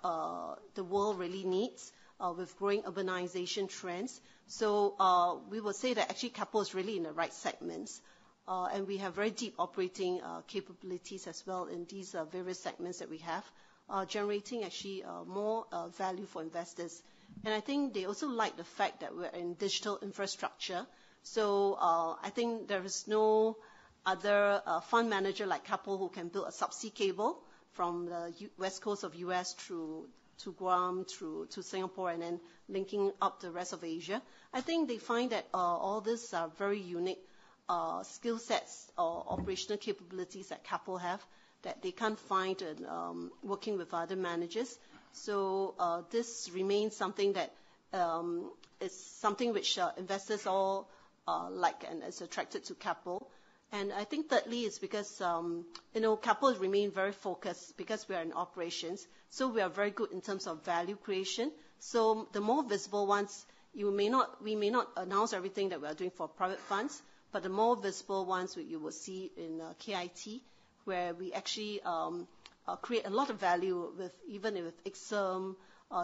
the world really needs, with growing urbanization trends. So, we will say that actually, Keppel is really in the right segments, and we have very deep operating, capabilities as well in these, various segments that we have. Generating actually, more, value for investors. And I think they also like the fact that we're in digital infrastructure. So, I think there is no other, fund manager like Keppel, who can build a subsea cable from the West Coast of U.S. through to Guam, through to Singapore, and then linking up the rest of Asia. I think they find that, all these, very unique, skill sets or operational capabilities that Keppel have, that they can't find in, working with other managers. So, this remains something that... It's something which, investors all, like and is attracted to Keppel. And I think thirdly, it's because, you know, Keppel has remained very focused, because we are in operations, so we are very good in terms of value creation. So the more visible ones, we may not announce everything that we are doing for private funds, but the more visible ones, you will see in KIT, where we actually create a lot of value with, even with Ixom,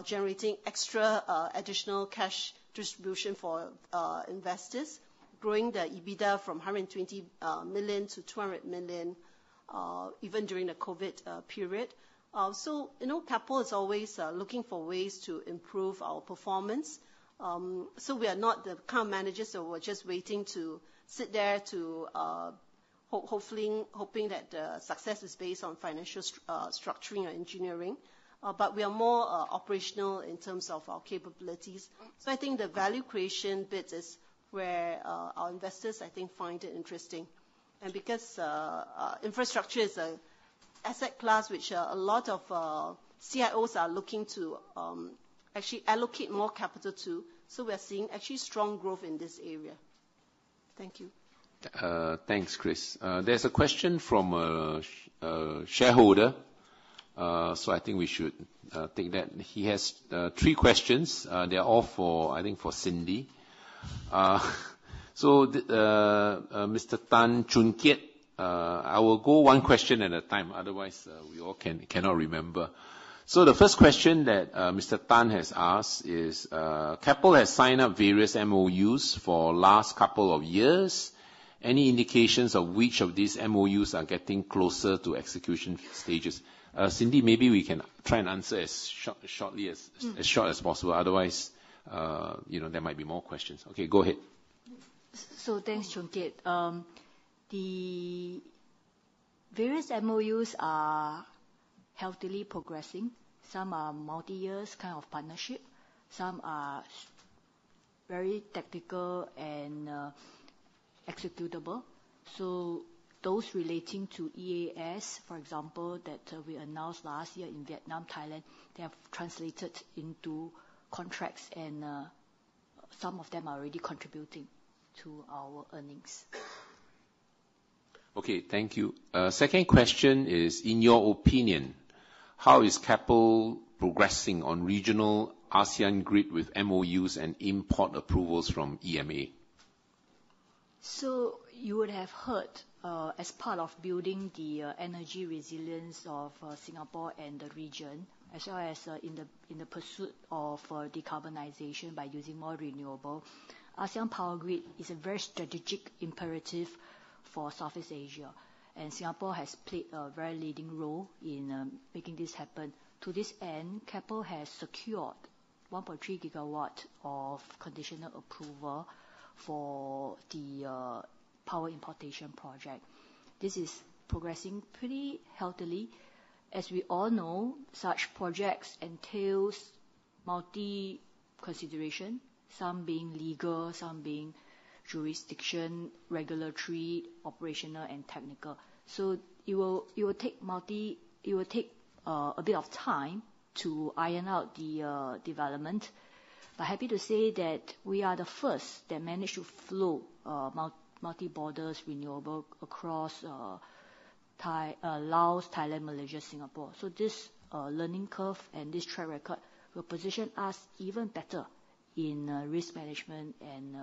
generating extra additional cash distribution for investors, growing the EBITDA from 120 million to 200 million, even during the COVID period. So you know, Keppel is always looking for ways to improve our performance. So we are not the current managers, so we're just waiting to sit there to hopefully, hoping that the success is based on financial structuring or engineering, but we are more operational in terms of our capabilities. So I think the value creation bit is where our investors, I think, find it interesting. And because infrastructure is a asset class, which a lot of CIOs are looking to actually allocate more capital to, so we are seeing actually strong growth in this area. Thank you. Thanks, Chris. There's a question from a shareholder, so I think we should take that. He has three questions. They are all for, I think, for Cindy. So the Mr. Tan Choon Keat, I will go one question at a time. Otherwise, we all cannot remember. So the first question that Mr. Tan has asked is, "Keppel has signed up various MOUs for last couple of years. Any indications of which of these MOUs are getting closer to execution stages?" Cindy, maybe we can try and answer as shortly as short as possible. Otherwise, you know, there might be more questions. Okay, go ahead. So thanks, Choon Keat. The various MOUs are healthily progressing. Some are multi-years kind of partnership, some are very technical and executable. So those relating to EAS, for example, that we announced last year in Vietnam, Thailand, they have translated into contracts and some of them are already contributing to our earnings. Okay, thank you. Second question is: "In your opinion, how is Keppel progressing on regional ASEAN grid with MOUs and import approvals from EMA? ...So you would have heard, as part of building the energy resilience of Singapore and the region, as well as in the pursuit of decarbonization by using more renewable. ASEAN Power Grid is a very strategic imperative for Southeast Asia, and Singapore has played a very leading role in making this happen. To this end, Keppel has secured 1.3 GW of conditional approval for the power importation project. This is progressing pretty healthily. As we all know, such projects entails multi-consideration, some being legal, some being jurisdiction, regulatory, operational, and technical. So it will take a bit of time to iron out the development. But happy to say that we are the first that managed to flow multi-borders renewable across Thailand, Laos, Thailand, Malaysia, Singapore. So this learning curve and this track record will position us even better in risk management and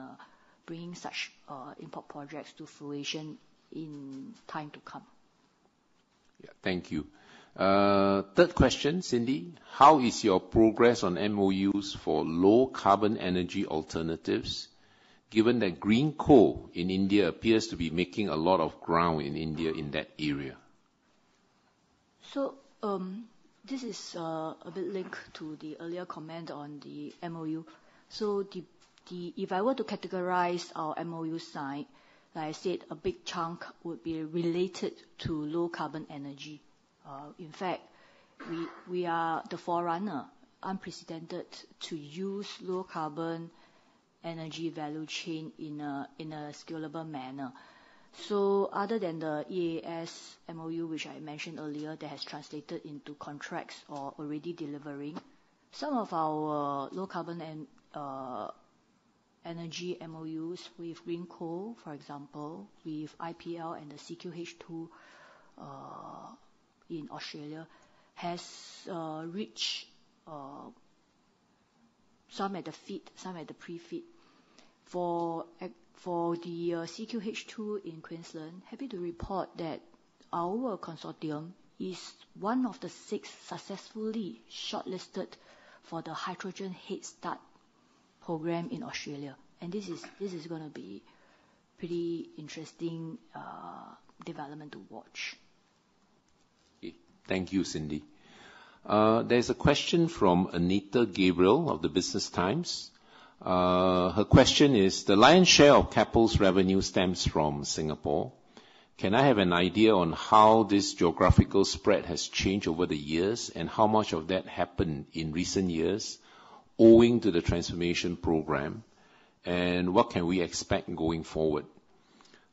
bringing such important projects to fruition in time to come. Yeah. Thank you. Third question, Cindy: How is your progress on MOUs for low-carbon energy alternatives, given that Greenko in India appears to be making a lot of ground in India in that area? This is a bit linked to the earlier comment on the MOU. If I were to categorize our MOU side, like I said, a big chunk would be related to low-carbon energy. In fact, we are the forerunner, unprecedented to use low-carbon energy value chain in a scalable manner. Other than the EAS MOU, which I mentioned earlier, that has translated into contracts or already delivering, some of our low-carbon and energy MOUs with Greenko, for example, with IPL and the CQ H2 in Australia, has reached some at the FEED, some at the pre-FEED. For the CQ H2 in Queensland, happy to report that our consortium is one of the six successfully shortlisted for the Hydrogen Head Start program in Australia, and this is gonna be pretty interesting development to watch. Thank you, Cindy. There's a question from Anita Gabriel of the Business Times. Her question is: The lion's share of Keppel's revenue stems from Singapore. Can I have an idea on how this geographical spread has changed over the years, and how much of that happened in recent years owing to the transformation program? And what can we expect going forward?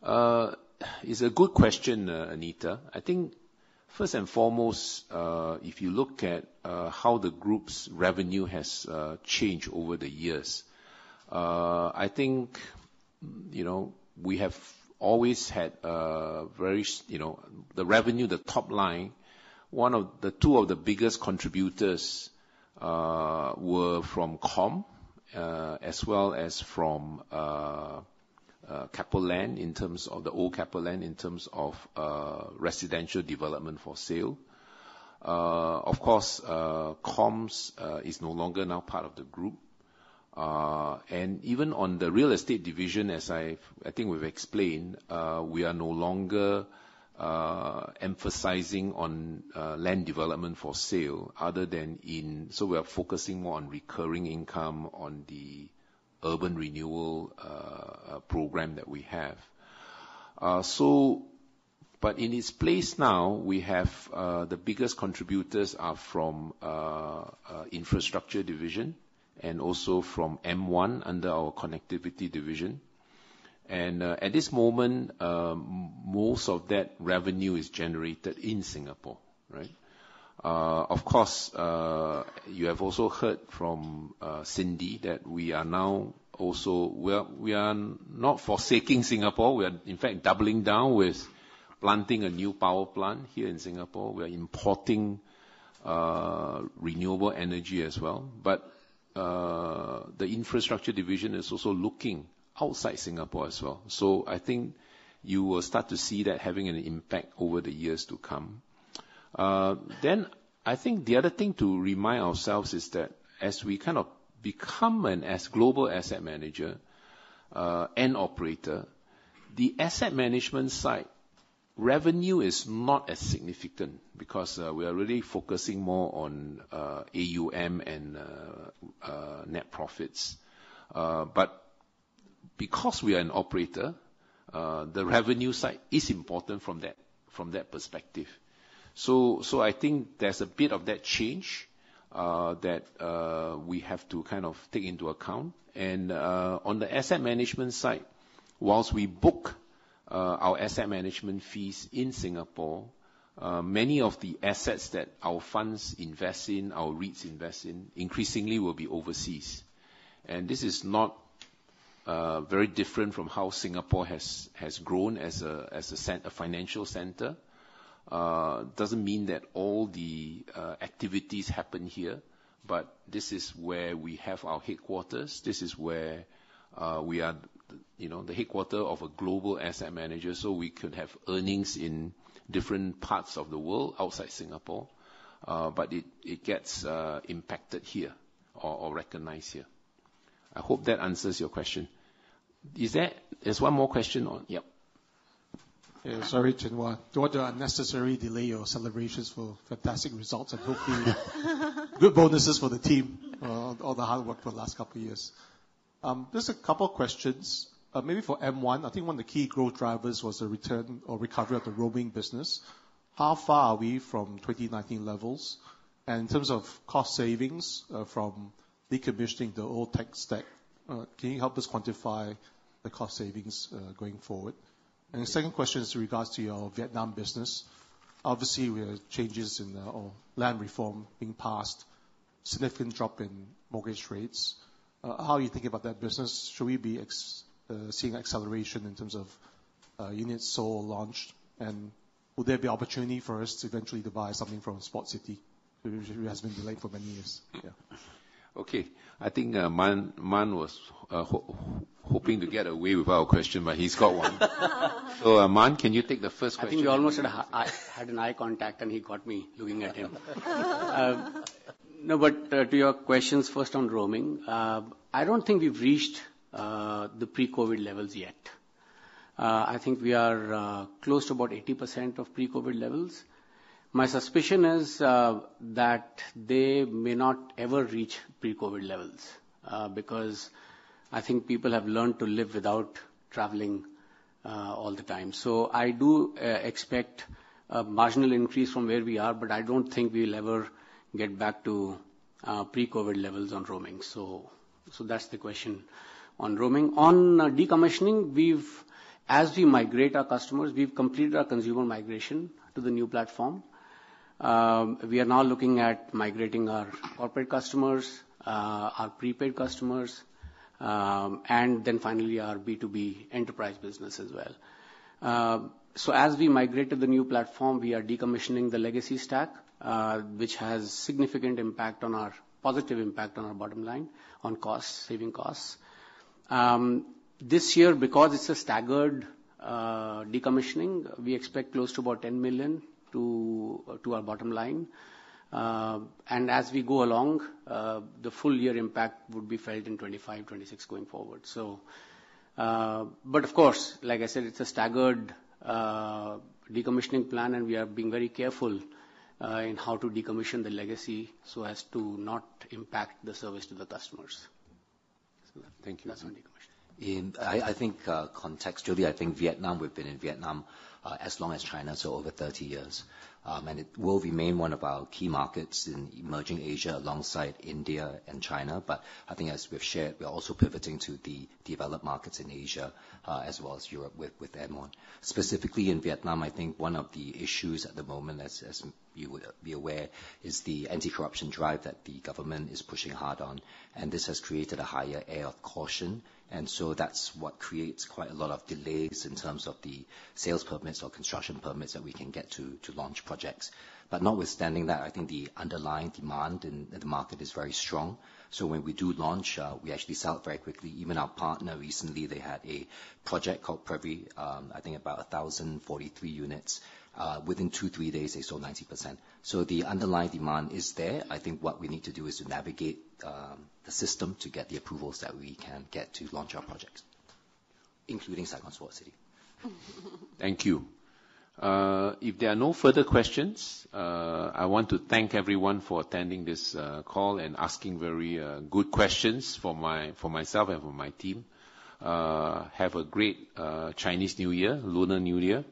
It's a good question, Anita. I think, first and foremost, if you look at how the group's revenue has changed over the years, I think, you know, we have always had a very... You know, the revenue, the top line, one of the-- two of the biggest contributors were from KOM, as well as from Keppel Land, in terms of the old Keppel Land, in terms of residential development for sale. Of course, KOM is no longer part of the group. And even on the real estate division, as I've, I think we've explained, we are no longer emphasizing on land development for sale other than in- so we are focusing more on recurring income on the urban renewal program that we have. So, but in its place now, we have the biggest contributors are from infrastructure division and also from M1, under our connectivity division. And at this moment, most of that revenue is generated in Singapore, right? Of course, you have also heard from Cindy, that we are now also- we are, we are not forsaking Singapore. We are, in fact, doubling down with planting a new power plant here in Singapore. We are importing renewable energy as well. But, the infrastructure division is also looking outside Singapore as well. So I think you will start to see that having an impact over the years to come. Then I think the other thing to remind ourselves is that as we kind of become a global asset manager, and operator, the asset management side, revenue is not as significant, because, we are really focusing more on, AUM and, net profits. But because we are an operator, the revenue side is important from that, from that perspective. So, so I think there's a bit of that change, that, we have to kind of take into account. On the asset management side, while we book our asset management fees in Singapore, many of the assets that our funds invest in, our REITs invest in, increasingly will be overseas. This is not very different from how Singapore has grown as a financial center. Doesn't mean that all the activities happen here. But this is where we have our headquarters. This is where we are, you know, the headquarters of a global asset manager, so we could have earnings in different parts of the world outside Singapore, but it gets impacted here or recognized here. I hope that answers your question. Is there-- There's one more question on-- Yep. Yeah. Sorry, Chin Hua. Don't want to unnecessarily delay your celebrations for fantastic results, and hopefully good bonuses for the team, all the hard work for the last couple of years. Just a couple of questions. Maybe for M1. I think one of the key growth drivers was the return or recovery of the roaming business. How far are we from 2019 levels? And in terms of cost savings, from decommissioning the old tech stack, can you help us quantify the cost savings, going forward? And the second question is in regards to your Vietnam business. Obviously, we have changes in, or land reform being passed, significant drop in mortgage rates. How are you thinking about that business? Should we be seeing acceleration in terms of, units sold or launched? Will there be opportunity for us to eventually to buy something from Saigon Sports City, which has been delayed for many years? Yeah. Okay. I think, Mann was hoping to get away without a question, but he's got one. So, Mann, can you take the first question? I think we almost had a, had an eye contact, and he caught me looking at him. No, but to your questions, first on roaming. I don't think we've reached the pre-COVID levels yet. I think we are close to about 80% of pre-COVID levels. My suspicion is that they may not ever reach pre-COVID levels because I think people have learned to live without traveling all the time. So I do expect a marginal increase from where we are, but I don't think we'll ever get back to pre-COVID levels on roaming. So that's the question on roaming. On decommissioning, we've, as we migrate our customers, we've completed our consumer migration to the new platform. We are now looking at migrating our corporate customers, our prepaid customers, and then finally, our B2B enterprise business as well. So as we migrate to the new platform, we are decommissioning the legacy stack, which has significant impact on our positive impact on our bottom line, on costs, saving costs. This year, because it's a staggered decommissioning, we expect close to about 10 million to our bottom line. And as we go along, the full year impact would be felt in 2025, 2026 going forward. So... But of course, like I said, it's a staggered decommissioning plan, and we are being very careful in how to decommission the legacy so as to not impact the service to the customers. Thank you. That's my question. I think contextually, I think Vietnam, we've been in Vietnam as long as China, so over 30 years. And it will remain one of our key markets in emerging Asia, alongside India and China. But I think as we've shared, we are also pivoting to the developed markets in Asia as well as Europe, with M1. Specifically in Vietnam, I think one of the issues at the moment, as you would be aware, is the anti-corruption drive that the government is pushing hard on, and this has created a higher air of caution. And so that's what creates quite a lot of delays in terms of the sales permits or construction permits that we can get to launch projects. But notwithstanding that, I think the underlying demand in the market is very strong. So when we do launch, we actually sell it very quickly. Even our partner, recently, they had a project called Privia, I think about 1,043 units. Within two, three days, they sold 90%. So the underlying demand is there. I think what we need to do is to navigate the system to get the approvals that we can get to launch our projects, including Saigon Sports City. Thank you. If there are no further questions, I want to thank everyone for attending this call and asking very good questions for myself and for my team. Have a great Chinese New Year, Lunar New Year.